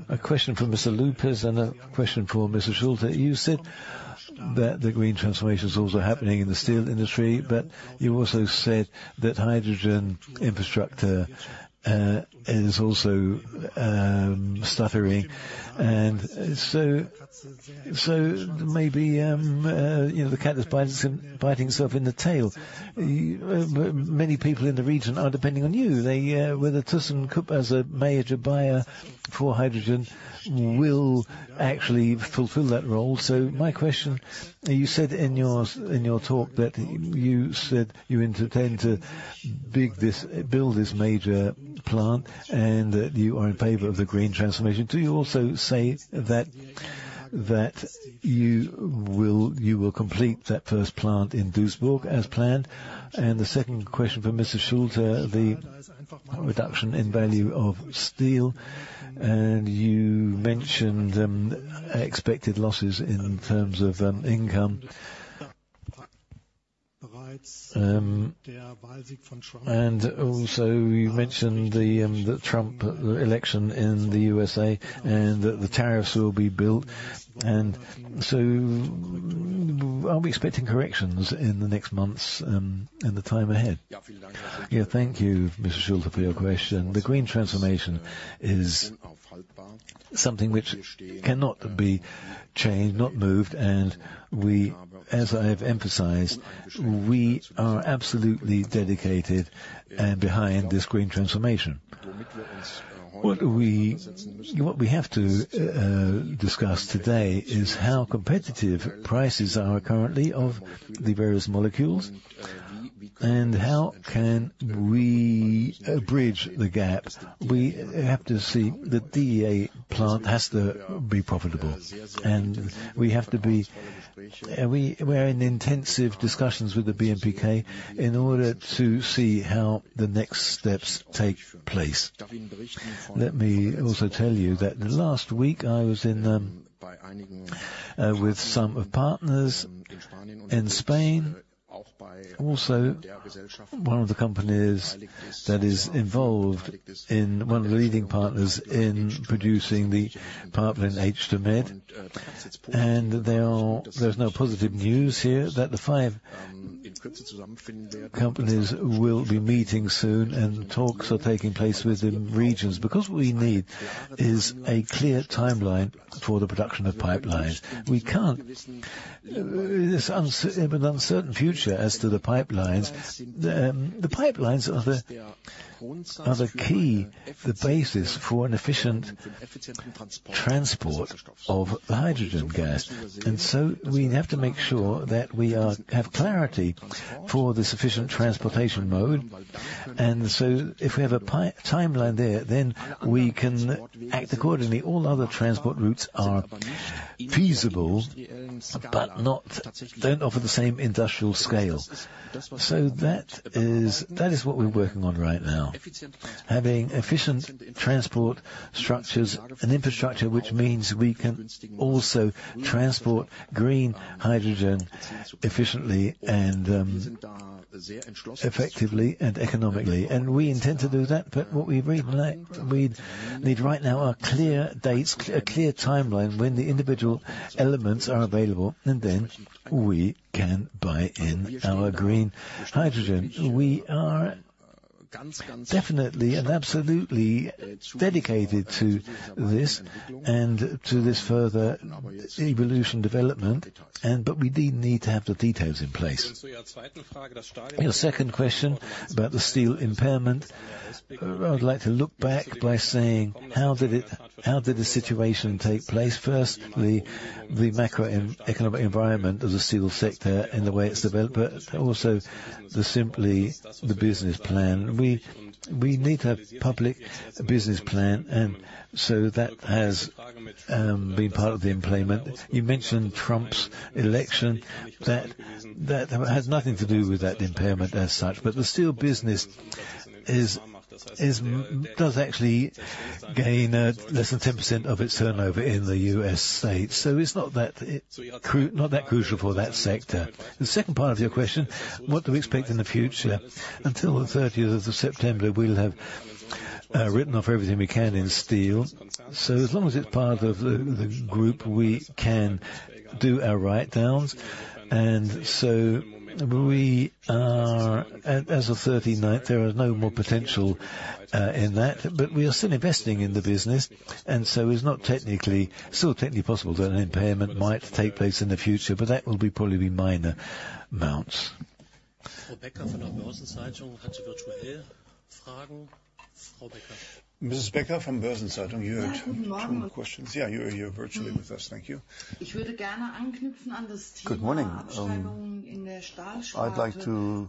a question for Mr. López and a question for Mr. Schulte. You said that the green transformation is also happening in the steel industry, but you also said that hydrogen infrastructure is also stuttering. So maybe the cat is biting himself in the tail. Many people in the region are depending on you whether thyssenkrupp as a major buyer for hydrogen will actually fulfill that role. My question: you said in your talk that you intend to build this major plant and that you are in favor of the green transformation. Do you also say that you will complete that first plant in Duisburg as planned? And the second question for Mr. Schulte, the reduction in value of steel. And you mentioned expected losses in terms of income. And also you mentioned the Trump election in the USA and that the tariffs will be built. And so are we expecting corrections in the next months and the time ahead? Yeah, thank you, Mr. Schulte, for your question. The green transformation is something which cannot be changed, not moved. And as I have emphasized, we are absolutely dedicated and behind this green transformation. What we have to discuss today is how competitive prices are currently of the various molecules and how can we bridge the gap. We have to see that the DRI plant has to be profitable. And we have to. We're in intensive discussions with the BMWK in order to see how the next steps take place. Let me also tell you that last week I was with some partners in Spain, also one of the companies that is involved in one of the leading partners in producing the partner in H2Med. There's no positive news here that the five companies will be meeting soon and talks are taking place within regions. Because what we need is a clear timeline for the production of pipelines. We can't. It's an uncertain future as to the pipelines. The pipelines are the key, the basis for an efficient transport of the hydrogen gas. And so we have to make sure that we have clarity for the sufficient transportation mode. And so if we have a timeline there, then we can act accordingly. All other transport routes are feasible, but don't offer the same industrial scale. So that is what we're working on right now, having efficient transport structures and infrastructure, which means we can also transport green hydrogen efficiently and effectively and economically. And we intend to do that, but what we need right now are clear dates, a clear timeline when the individual elements are available, and then we can buy in our green hydrogen. We are definitely and absolutely dedicated to this and to this further evolution development, but we do need to have the details in place. Your second question about the steel impairment, I would like to look back by saying, how did the situation take place? First, the macroeconomic environment of the steel sector and the way it's developed, but also simply the business plan. We need a public business plan, and so that has been part of the impairment. You mentioned Trump's election. That has nothing to do with that impairment as such, but the steel business does actually gain less than 10% of its turnover in the US states. It's not that crucial for that sector. The second part of your question, what do we expect in the future? Until the 30th of September, we'll have written off everything we can in steel. So as long as it's part of the group, we can do our write-downs. And so as of 30/9, there is no more potential in that, but we are still investing in the business. And so it's still technically possible that an impairment might take place in the future, but that will probably be minor amounts. Mrs. Becker from Börsen-Zeitung, you had a couple of questions. Yeah, you're here virtually with us. Thank you. Ich würde gerne anknüpfen an das Thema der Steuerung in der Stahlsektor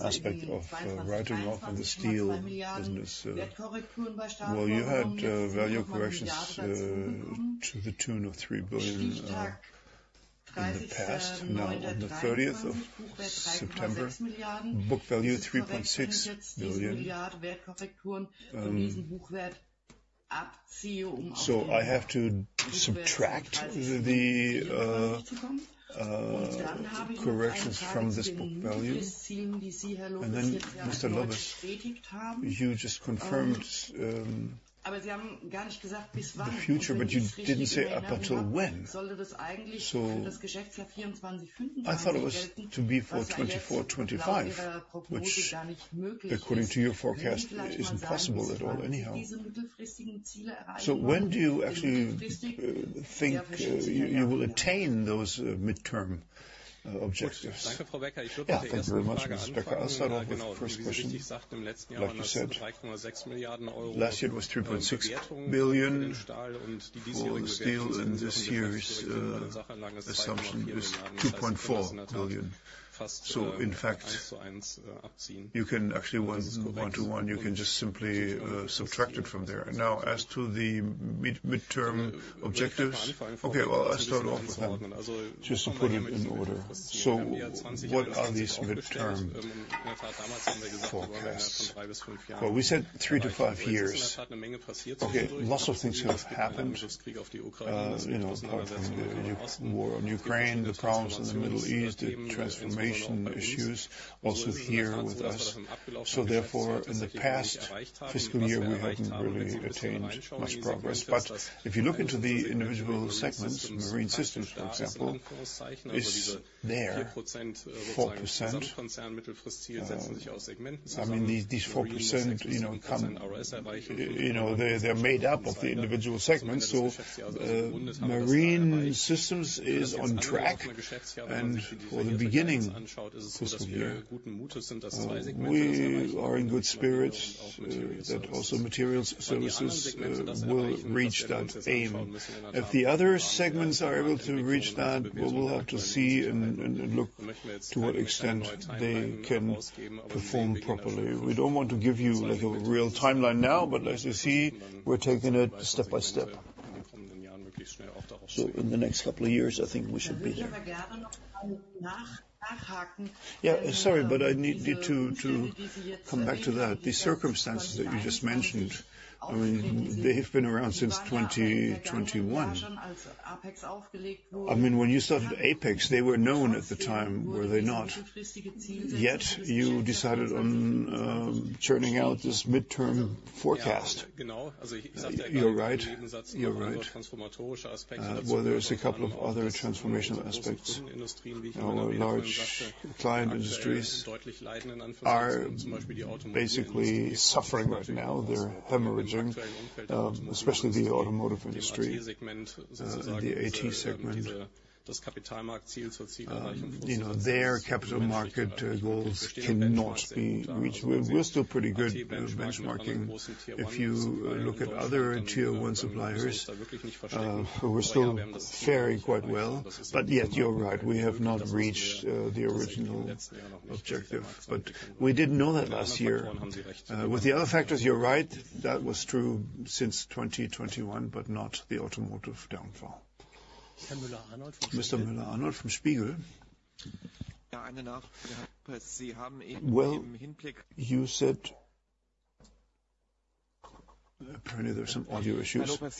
aspect of writing off in the steel business. Well, you had value corrections to the tune of 3 billion in the past. Now, on the 30th of September, book value 3.6 billion. So I have to subtract the corrections from this book value. And then, Mr. López, you just confirmed the future, but you didn't say up until when. I thought it was to be for 2024, 2025, which according to your forecast is impossible at all anyhow. So when do you actually think you will attain those midterm objectives? Thank you very much, Ms. Becker. I'll start off with the first question. Like you said, last year it was 3.6 billion for steel, and this year's assumption is 2.4 billion. So in fact, you can actually one to one, you can just simply subtract it from there. Now, as to the midterm objectives, okay, well, I'll start off with them just to put it in order. So what are these midterm forecasts? Well, we said three to five years. Okay, lots of things have happened. You know, you have war in Ukraine, the problems in the Middle East, the transformation issues also here with us. So therefore, in the past fiscal year, we haven't really attained much progress. But if you look into the individual segments, marine systems, for example, it's their 4%. I mean, these 4%, you know, they're made up of the individual segments. So marine systems is on track, and for the beginning fiscal year, we are in good spirits that also materials services will reach that aim. If the other segments are able to reach that, we'll have to see and look to what extent they can perform properly. We don't want to give you a real timeline now, but as you see, we're taking it step by step. So in the next couple of years, I think we should be here. Yeah, sorry, but I need to come back to that. The circumstances that you just mentioned, I mean, they have been around since 2021. I mean, when you started Apex, they were known at the time, were they not? Yet you decided on churning out this midterm forecast. You're right. Well, there's a couple of other transformational aspects. Large client industries are basically suffering right now. They're hemorrhaging, especially the automotive industry and the AT segment. Their capital market goals cannot be reached. We're still pretty good benchmarking. If you look at other tier one suppliers, we're still faring quite well. But yet, you're right, we have not reached the original objective. But we didn't know that last year. With the other factors, you're right, that was true since 2021, but not the automotive downfall. Mr. Müller-Arnold from Spiegel. You said apparently there's some audio issues. When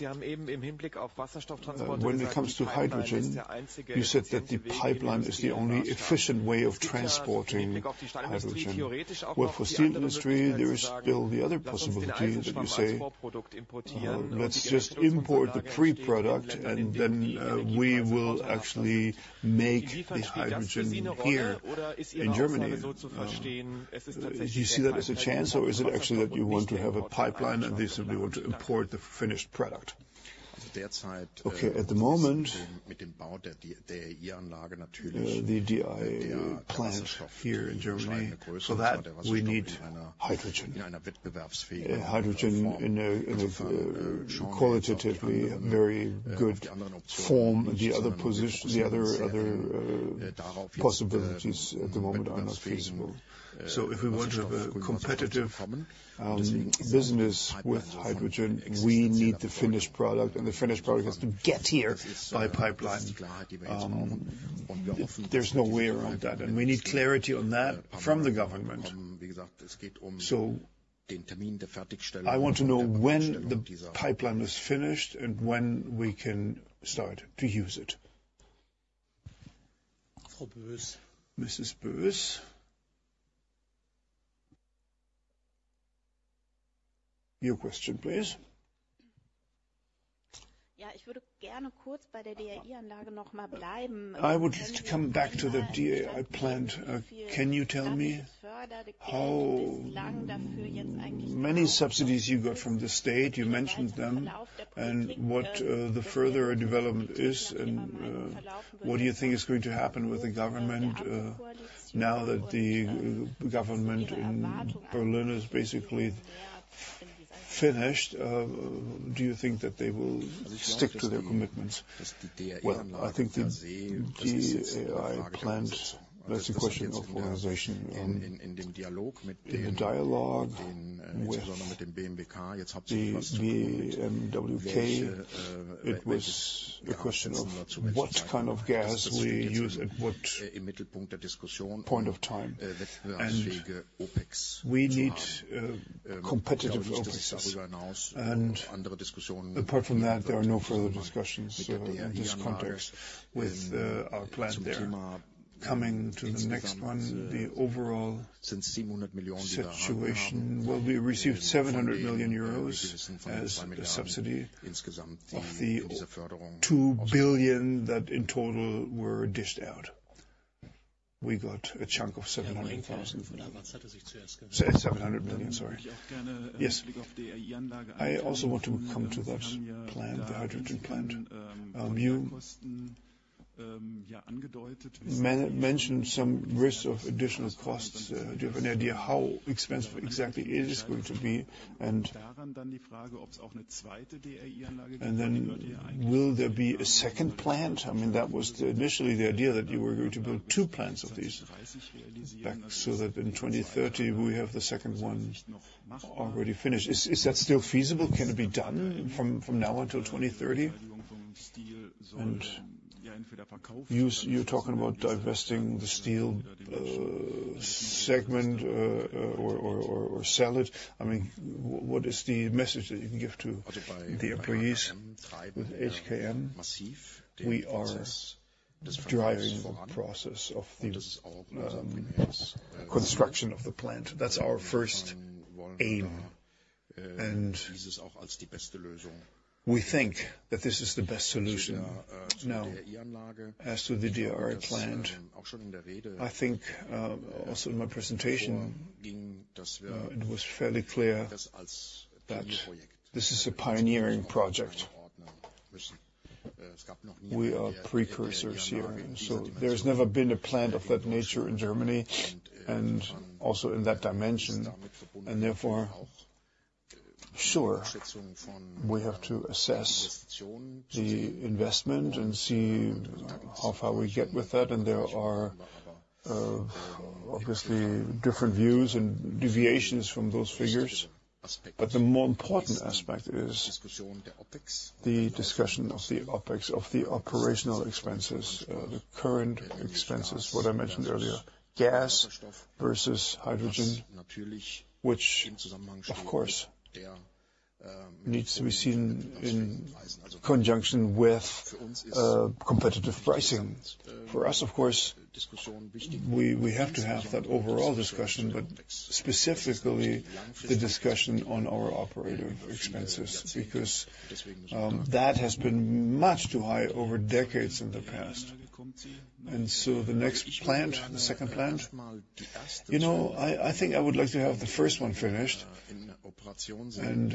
it comes to hydrogen, you said that the pipeline is the only efficient way of transporting hydrogen. For the steel industry, there is still the other possibility that you say, let's just import the pre-product and then we will actually make this hydrogen here in Germany. Do you see that as a chance or is it actually that you want to have a pipeline and they simply want to import the finished product? Okay, at the moment, the DRI plants here in Germany, so that we need hydrogen. Hydrogen in a qualitatively very good form. The other possibilities at the moment are not feasible. If we want to have a competitive business with hydrogen, we need the finished product, and the finished product has to get here by pipeline. There's no way around that, and we need clarity on that from the government. So I want to know when the pipeline is finished and when we can start to use it. Mrs. Bös, your question, please. Yeah, I would like to come back to the DRI plant. Can you tell me how many subsidies you got from the state? You mentioned them. And what the further development is, and what do you think is going to happen with the government now that the government in Berlin is basically finished? Do you think that they will stick to their commitments? Well, I think the DRI plant, that's a question of organization. In the dialogue with BMWK, it was a question of what kind of gas we use at what point of time. And we need competitive options. Apart from that, there are no further discussions in this context with our plant there. Coming to the next one, the overall situation, well, we received 700 million euros as a subsidy of the 2 billion that in total were dished out. We got a chunk of 700 million. Yes, I also want to come to that plant, the hydrogen plant. You mentioned some risk of additional costs. Do you have an idea how expensive exactly it is going to be? And then will there be a second plant? I mean, that was initially the idea that you were going to build two plants of these back so that in 2030 we have the second one already finished. Is that still feasible? Can it be done from now until 2030? And you're talking about divesting the steel segment or sell it. I mean, what is the message that you can give to the employees? With HKM, we are driving the process of the construction of the plant. That's our first aim. And we think that this is the best solution now as to the DRI plant. I think also in my presentation, it was fairly clear that this is a pioneering project. We are precursors here. So there has never been a plant of that nature in Germany and also in that dimension. And therefore, sure, we have to assess the investment and see how far we get with that. And there are obviously different views and deviations from those figures. But the more important aspect is the discussion of the OpEx, of the operational expenses, the current expenses, what I mentioned earlier, gas versus hydrogen, which, of course, needs to be seen in conjunction with competitive pricing. For us, of course, we have to have that overall discussion, but specifically the discussion on our operating expenses, because that has been much too high over decades in the past, and so the next plant, the second plant, I think I would like to have the first one finished and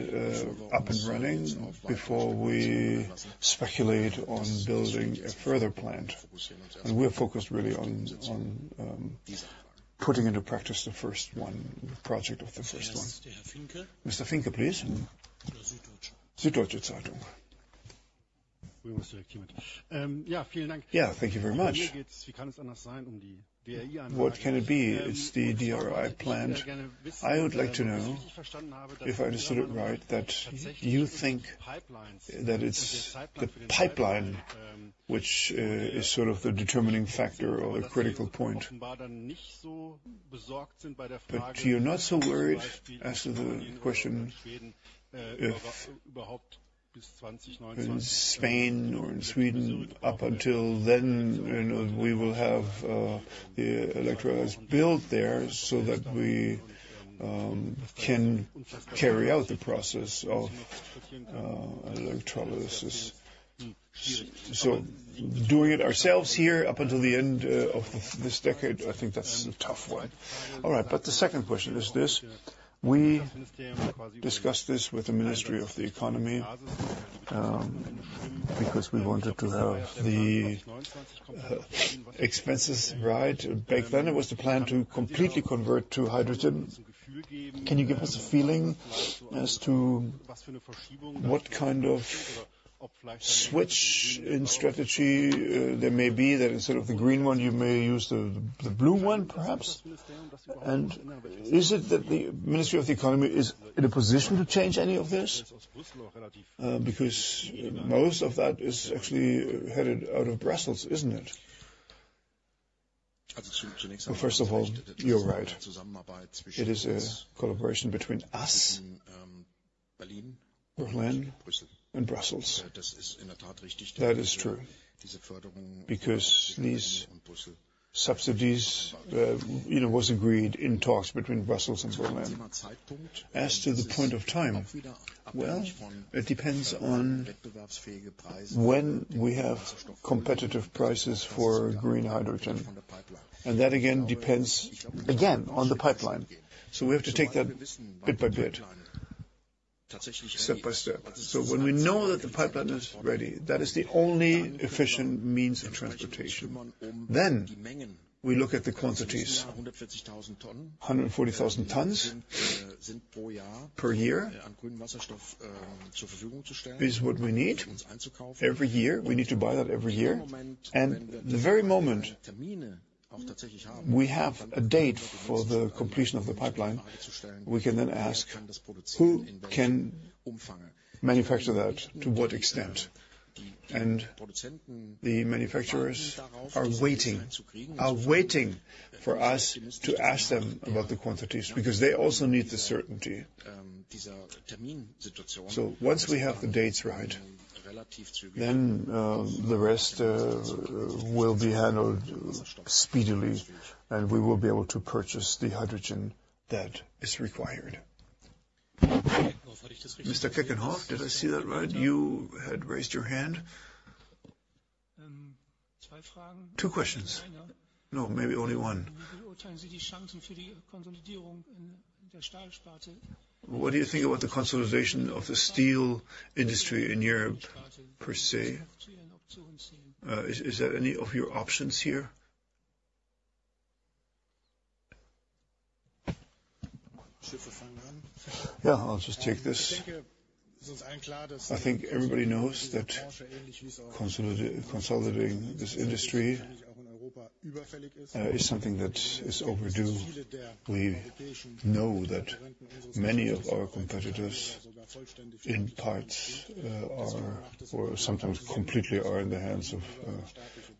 up and running before we speculate on building a further plant, and we're focused really on putting into practice the first one, the project of the first one. Mr. Finken, please. Yeah, thank you very much. What can it be? It's the DRI plant. I would like to know, if I understood it right, that you think that it's the pipeline, which is sort of the determining factor or critical point. But you're not so worried as to the question if in Spain or in Sweden, up until then, we will have the electrolyzer built there so that we can carry out the process of electrolysis. So doing it ourselves here up until the end of this decade, I think that's a tough one. All right, but the second question is this: we discussed this with the Ministry of the Economy because we wanted to have the expenses right. Back then, it was the plan to completely convert to hydrogen. Can you give us a feeling as to what kind of switch in strategy there may be that instead of the green one, you may use the blue one, perhaps? And is it that the Ministry of the Economy is in a position to change any of this? Because most of that is actually headed out of Brussels, isn't it? First of all, you're right. It is a collaboration between us, Berlin, and Brussels. That is true. Because these subsidies were agreed in talks between Brussels and Berlin. As to the point of time, well, it depends on when we have competitive prices for green hydrogen. And that again depends on the pipeline. We have to take that bit by bit, step by step. When we know that the pipeline is ready, that is the only efficient means of transportation. Then we look at the quantities: 140,000 tons per year is what we need every year. We need to buy that every year. And the very moment we have a date for the completion of the pipeline, we can then ask who can manufacture that, to what extent. The manufacturers are waiting, are waiting for us to ask them about the quantities because they also need the certainty. Once we have the dates right, then the rest will be handled speedily, and we will be able to purchase the hydrogen that is required. Mr. Köckenhoff, did I see that right? You had raised your hand. Two questions. No, maybe only one. What do you think about the consolidation of the steel industry in Europe per se? Is that any of your options here? Yeah, I'll just take this. I think everybody knows that consolidating this industry is something that is overdue. We know that many of our competitors, in parts, or sometimes completely, are in the hands of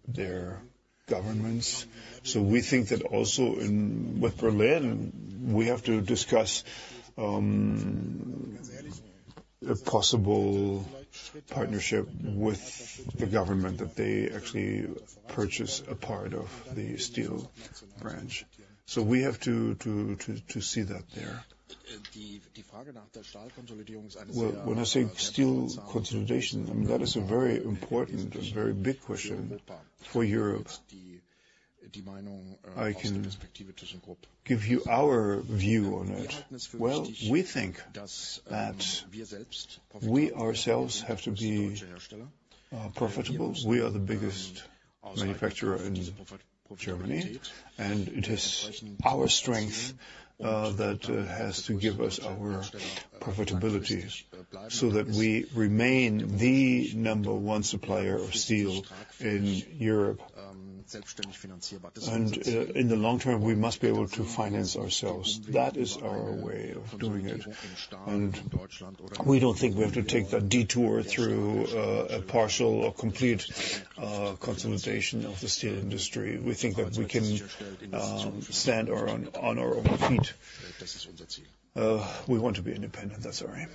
their governments. So we think that also with Berlin, we have to discuss a possible partnership with the government that they actually purchase a part of the steel branch. So we have to see that there. When I say steel consolidation, that is a very important and very big question for Europe. I can give you our view on it. Well, we think that we ourselves have to be profitable. We are the biggest manufacturer in Germany, and it is our strength that has to give us our profitability so that we remain the number one supplier of steel in Europe. And in the long term, we must be able to finance ourselves. That is our way of doing it. And we don't think we have to take that detour through a partial or complete consolidation of the steel industry. We think that we can stand on our own feet. We want to be independent. That's our aim.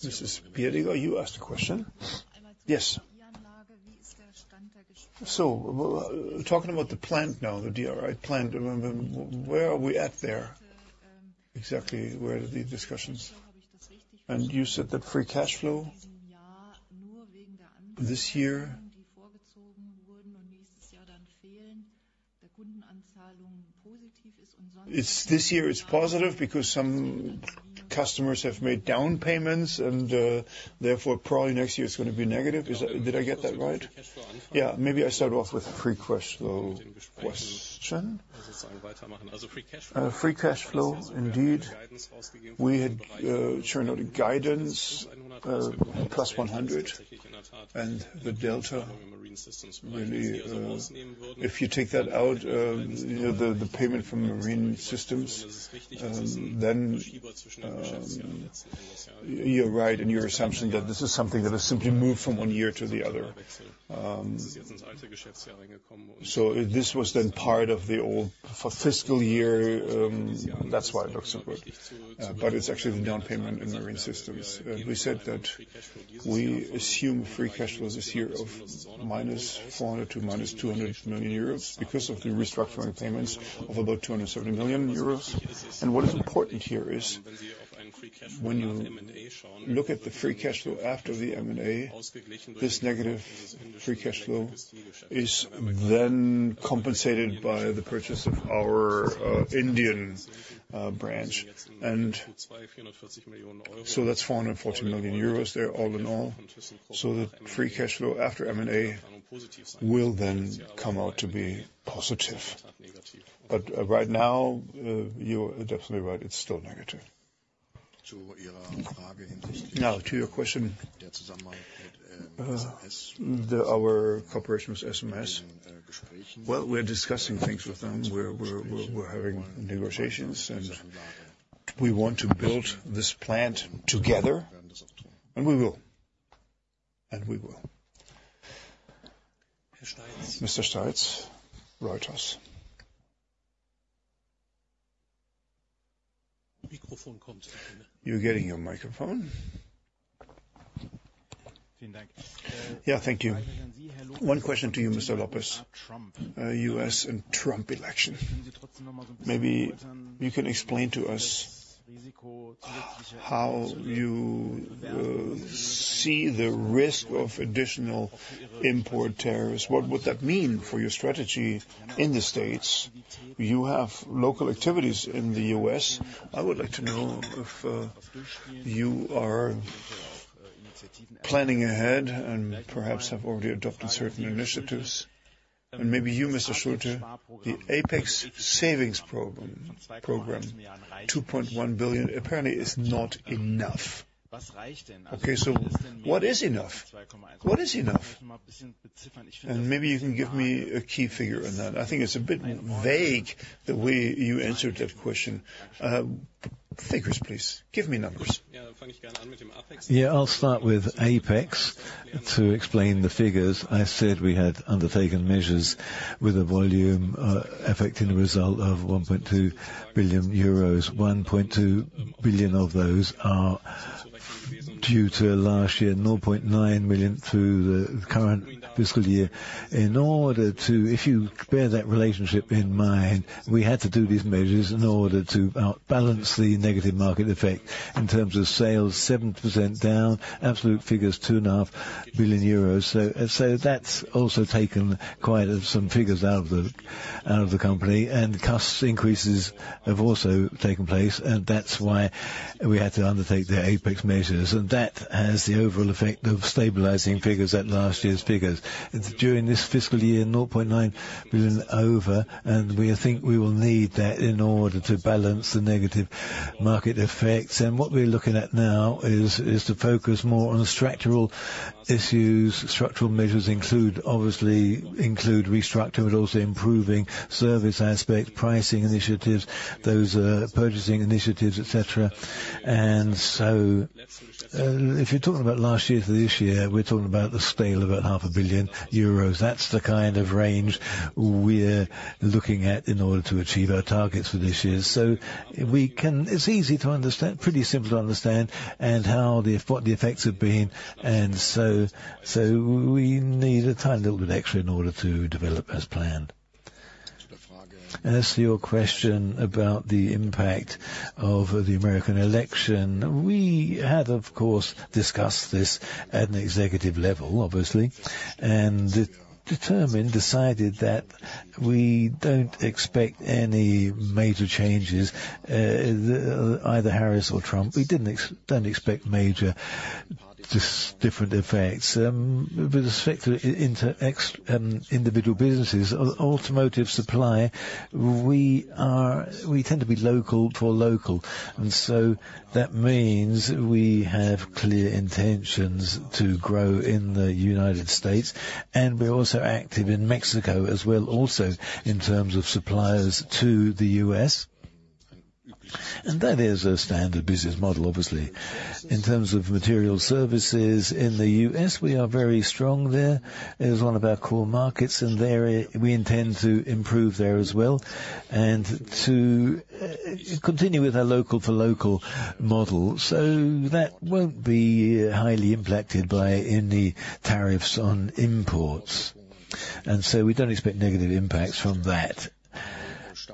This is Piediger. You asked a question. Yes. Talking about the plant now, the DRI plant, where are we at there exactly? Where are the discussions? You said that free cash flow this year is positive because some customers have made down payments, and therefore probably next year it's going to be negative. Did I get that right? Yeah, maybe I start off with a free cash flow question. Free cash flow, indeed. We had churned out a guidance plus 100. The delta, if you take that out, the payment from marine systems, then you're right in your assumption that this is something that has simply moved from one year to the other. This was then part of the old fiscal year. That's why it looks so good. But it's actually the down payment in marine systems. We said that we assume free cash flows this year of minus 400 million to minus 200 million euros because of the restructuring payments of about 270 million euros. And what is important here is when you look at the free cash flow after the M&A, this negative free cash flow is then compensated by the purchase of our Indian branch. And so that's 440 million euros there all in all. So the free cash flow after M&A will then come out to be positive. But right now, you're definitely right. It's still negative. Now, to your question, our cooperation with SMS, well, we're discussing things with them. We're having negotiations, and we want to build this plant together. And we will. And we will. Mr. Steitz, right? Yes. You're getting your microphone. Yeah, thank you. One question to you, Mr. López. US and Trump election. Maybe you can explain to us how you see the risk of additional import tariffs. What would that mean for your strategy in the States? You have local activities in the US. I would like to know if you are planning ahead and perhaps have already adopted certain initiatives. And maybe you, Mr. Schulte, the APEX savings program, 2.1 billion, apparently is not enough. Okay, so what is enough? What is enough? And maybe you can give me a key figure on that. I think it's a bit vague the way you answered that question. Figures, please. Give me numbers. Yeah, I'll start with APEX to explain the figures. I said we had undertaken measures with a volume affecting the result of 1.2 billion euros. 1.2 billion of those are due to last year's 0.9 million through the current fiscal year. In order to, if you bear that relationship in mind, we had to do these measures in order to balance the negative market effect in terms of sales, 7% down, absolute figures, 2.5 billion euros. So that's also taken quite some figures out of the company. And cost increases have also taken place. And that's why we had to undertake the APEX measures. And that has the overall effect of stabilizing figures at last year's figures. During this fiscal year, 0.9 billion over. And we think we will need that in order to balance the negative market effects. And what we're looking at now is to focus more on structural issues. Structural measures obviously include restructuring, but also improving service aspects, pricing initiatives, those purchasing initiatives, etc. And so if you're talking about last year to this year, we're talking about the scale of about 500 million euros. That's the kind of range we're looking at in order to achieve our targets for this year. So it's easy to understand, pretty simple to understand, and what the effects have been. And so we need a tiny little bit extra in order to develop as planned. As to your question about the impact of the American election, we had, of course, discussed this at an executive level, obviously, and determined, decided that we don't expect any major changes, either Harris or Trump. We don't expect major different effects. With respect to individual businesses, automotive supply, we tend to be local for local. And so that means we have clear intentions to grow in the United States. And we're also active in Mexico as well, also in terms of suppliers to the US. And that is a standard business model, obviously. In terms of Materials Services in the US, we are very strong there. It is one of our core markets, and we intend to improve there as well and to continue with our local for local model. So that won't be highly impacted by any tariffs on imports. And so we don't expect negative impacts from that.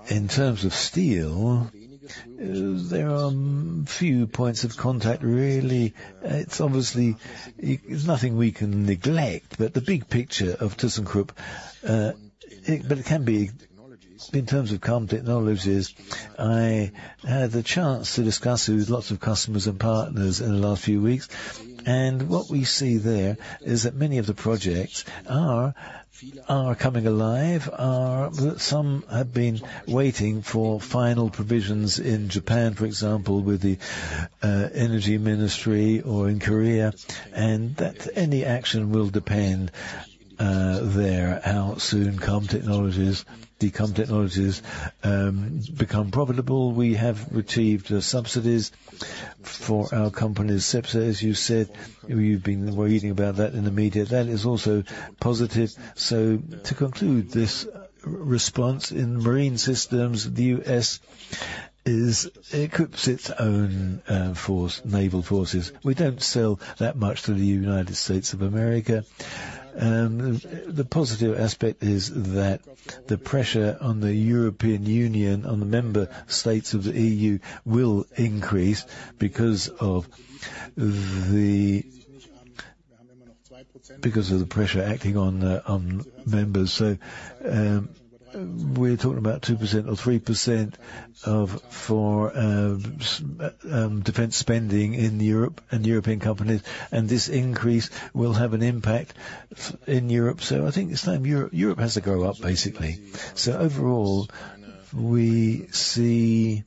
In terms of steel, there are few points of contact. Really, it's obviously nothing we can neglect. But the big picture of thyssenkrupp, but it can be in terms of Decarbon Technologies, I had the chance to discuss with lots of customers and partners in the last few weeks. What we see there is that many of the projects are coming alive, but some have been waiting for final provisions in Japan, for example, with the Energy Ministry or in Korea, and that any action will depend there how soon the clean technologies become profitable. We have received subsidies for our companies. Cepsa, as you said, we're reading about that in the media. That is also positive. To conclude this response in Marine Systems, the US equips its own naval forces. We don't sell that much to the United States of America. The positive aspect is that the pressure on the European Union, on the member states of the EU, will increase because of the pressure acting on members. We're talking about 2% or 3% for defense spending in Europe and European companies. This increase will have an impact in Europe. So I think it's time Europe has to go up, basically. So overall, we see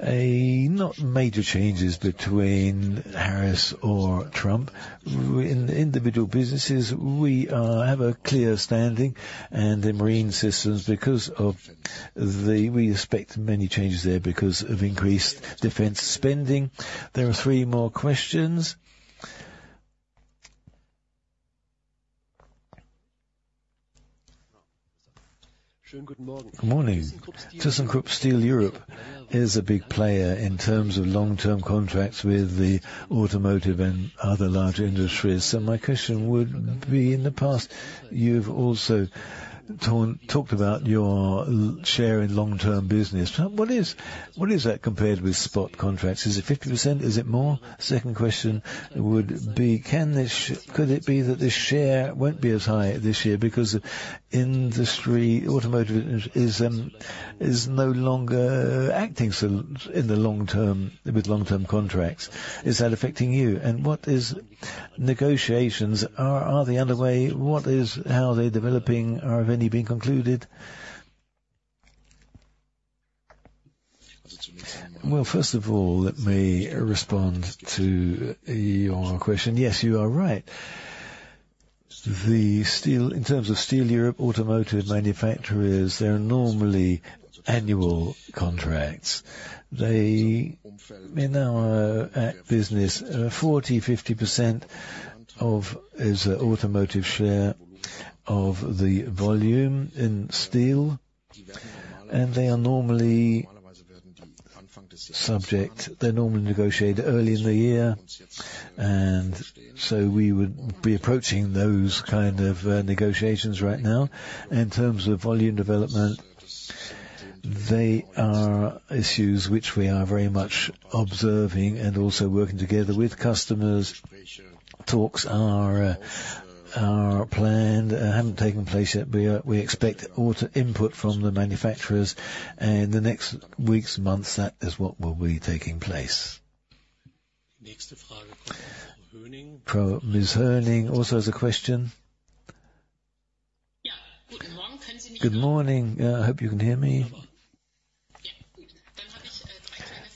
not major changes between Harris or Trump. In individual businesses, we have a clear standing. And in Marine Systems, because of that we expect many changes there because of increased defense spending. There are three more questions. Good morning. thyssenkrupp Steel Europe is a big player in terms of long-term contracts with the automotive and other large industries. So my question would be, in the past, you've also talked about your share in long-term business. What is that compared with spot contracts? Is it 50%? Is it more? Second question would be, could it be that the share won't be as high this year because automotive is no longer acting in the long-term with long-term contracts? Is that affecting you? And what about negotiations? Are they underway? How are they developing? Are they being concluded? Well, first of all, let me respond to your question. Yes, you are right. In terms of Steel Europe, automotive manufacturers, there are normally annual contracts. They now account for 40 to 50% of the automotive share of the volume in steel. And they are normally subject to. They're normally negotiated early in the year. And so we would be approaching those kind of negotiations right now. In terms of volume development, there are issues which we are very much observing and also working together with customers. Talks are planned. Haven't taken place yet. We expect input from the manufacturers. And in the next weeks, months, that is what will be taking place. Ms. Henning also has a question. Good morning. I hope you can hear me.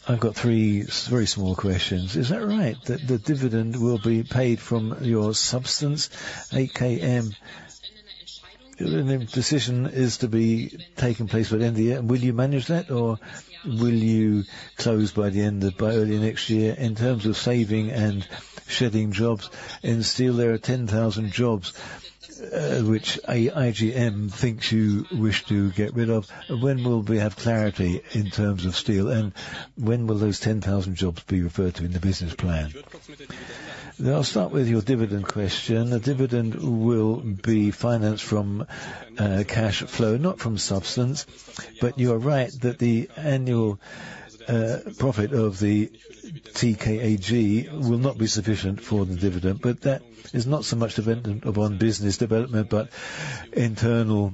I've got three very small questions. Is that right? The dividend will be paid from your substance, HKM. The decision is to take place by the end of the year. Will you manage that, or will you close by the end of early next year? In terms of saving and shedding jobs in steel, there are 10,000 jobs which IGM thinks you wish to get rid of. When will we have clarity in terms of steel? And when will those 10,000 jobs be referred to in the business plan? I'll start with your dividend question. The dividend will be financed from cash flow, not from substance. But you are right that the annual profit of the TKAG will not be sufficient for the dividend. But that is not so much dependent upon business development, but internal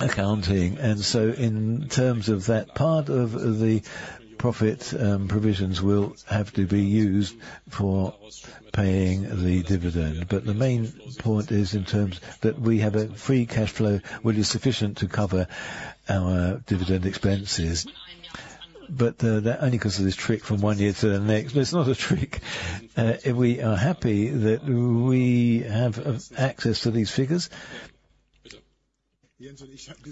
accounting. And so in terms of that, part of the profit provisions will have to be used for paying the dividend. But the main point is in terms that we have a free cash flow which is sufficient to cover our dividend expenses. But that only because of this trick from one year to the next. But it's not a trick. We are happy that we have access to these figures.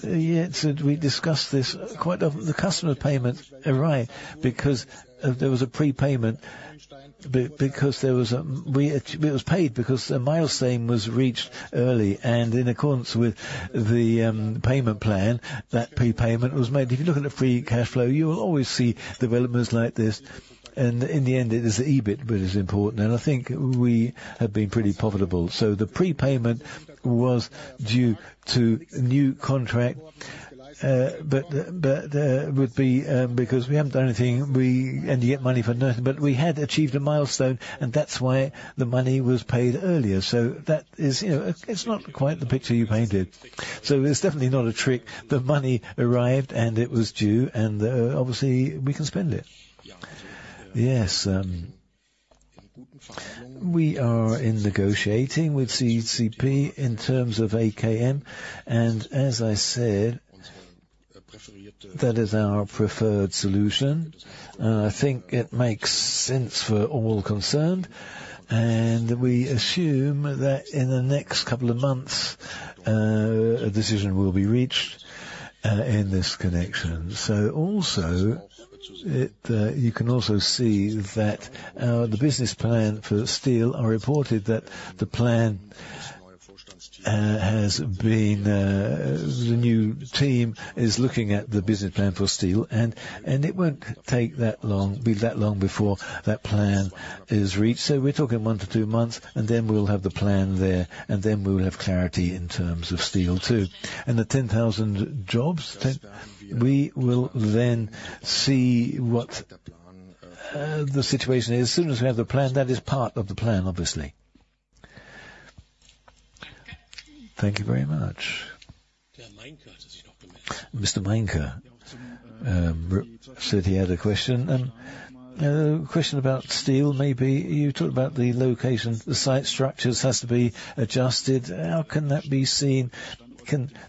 Yes, we discussed this quite often. The customer payment arrived because there was a prepayment because there was a it was paid because the milestone was reached early. And in accordance with the payment plan, that prepayment was made. If you look at the free cash flow, you will always see developments like this. And in the end, it is the EBIT that is important. And I think we have been pretty profitable. So the prepayment was due to new contract, but would be because we haven't done anything. We ended up getting money for nothing. But we had achieved a milestone, and that's why the money was paid earlier. So it's not quite the picture you painted. So it's definitely not a trick. The money arrived, and it was due. And obviously, we can spend it. Yes. We are in negotiating with CCP in terms of HKM. And as I said, that is our preferred solution. I think it makes sense for all concerned. And we assume that in the next couple of months, a decision will be reached in this connection. So you can also see that the business plan for steel. I reported that the new team is looking at the business plan for steel. And it won't take that long before that plan is reached. So we're talking one to two months, and then we'll have the plan there. And then we will have clarity in terms of steel too. And the 10,000 jobs, we will then see what the situation is. As soon as we have the plan, that is part of the plan, obviously. Thank you very much. Mr. Meinker said he had a question. Question about steel, maybe. You talked about the location. The site structures has to be adjusted. How can that be seen?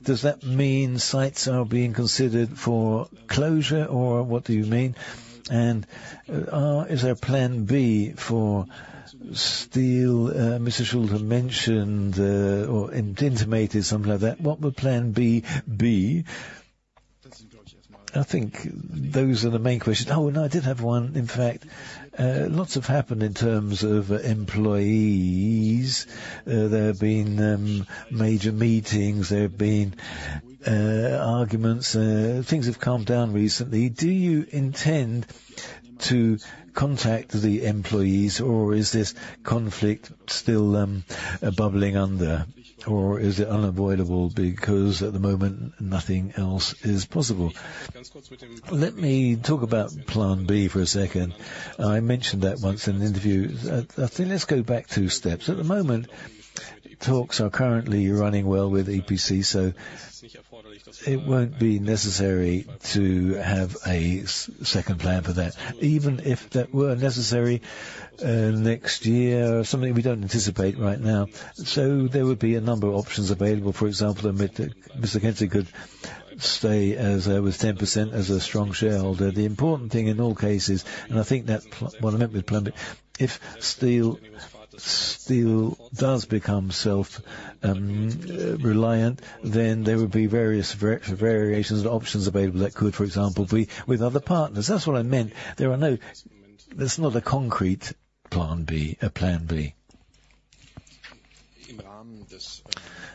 Does that mean sites are being considered for closure, or what do you mean? And is there a plan B for steel? Mr. Schulte mentioned or intimated something like that. What would plan B be? I think those are the main questions. Oh, and I did have one. In fact, lots have happened in terms of employees. There have been major meetings. There have been arguments. Things have calmed down recently do you intend to contact the employees, or is this conflict still bubbling under, or is it unavoidable because at the moment, nothing else is possible? Let me talk about plan B for a second. I mentioned that once in an interview. Let's go back two steps. At the moment, talks are currently running well with EPC, so it won't be necessary to have a second plan for that. Even if that were necessary next year, something we don't anticipate right now. So there would be a number of options available. For example, Mr. Kretinsky could say as over 10% as a strong shareholder. The important thing in all cases, and I think that what I meant with plan B, if steel does become self-reliant, then there would be various variations and options available that could, for example, be with other partners. That's what I meant. There's not a concrete plan B, a plan B.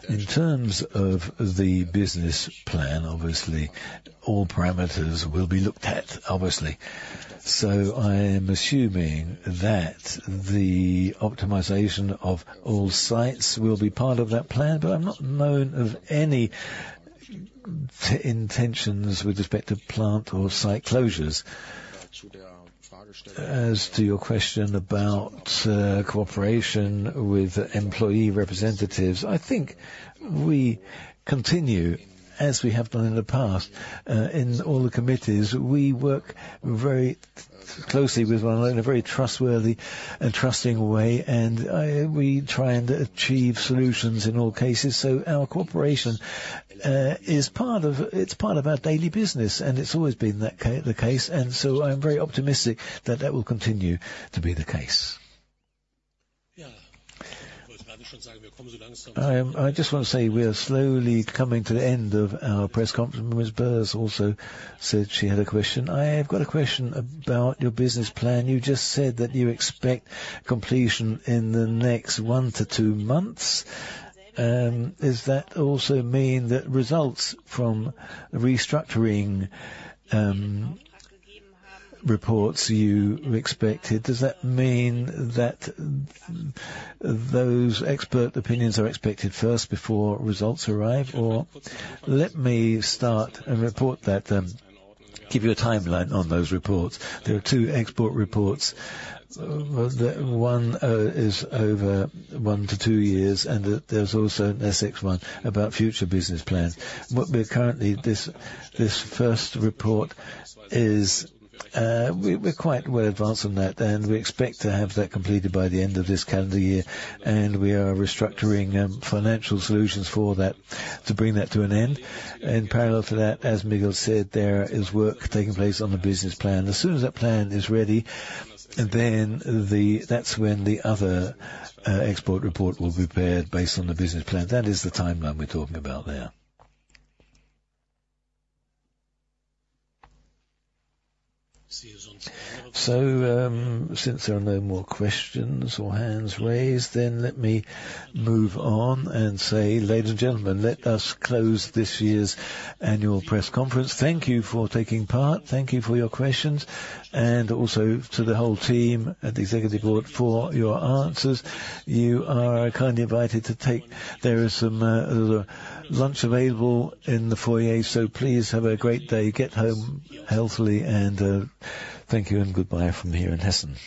In terms of the business plan, obviously, all parameters will be looked at, obviously. So I am assuming that the optimization of all sites will be part of that plan, but I'm not aware of any intentions with respect to plant or site closures. As to your question about cooperation with employee representatives, I think we continue, as we have done in the past, in all the committees. We work very closely with one another in a very trustworthy and trusting way, and we try and achieve solutions in all cases. So our cooperation is part of our daily business, and it's always been the case. And so I'm very optimistic that that will continue to be the case. I just want to say we are slowly coming to the end of our press conference. Ms. Birth also said she had a question. I've got a question about your business plan. You just said that you expect completion in the next one to two months. Does that also mean that results from restructuring reports you expected? Does that mean that those expert opinions are expected first before results arrive? Or let me start a report that give you a timeline on those reports. There are two expert reports. One is over one to two years, and there's also a second one about future business plans. Currently, this first report is we're quite well advanced on that, and we expect to have that completed by the end of this calendar year. We are restructuring financial solutions for that to bring that to an end. In parallel to that, as Miguel said, there is work taking place on the business plan. As soon as that plan is ready, then that's when the other export report will be prepared based on the business plan. That is the timeline we're talking about there. So since there are no more questions or hands raised, then let me move on and say, ladies and gentlemen, let us close this year's annual press conference. Thank you for taking part. Thank you for your questions. And also to the whole team at the executive board for your answers. You are kindly invited to take. There is some lunch available in the foyer, so please have a great day. Get home healthily, and thank you and goodbye from here in Hessen.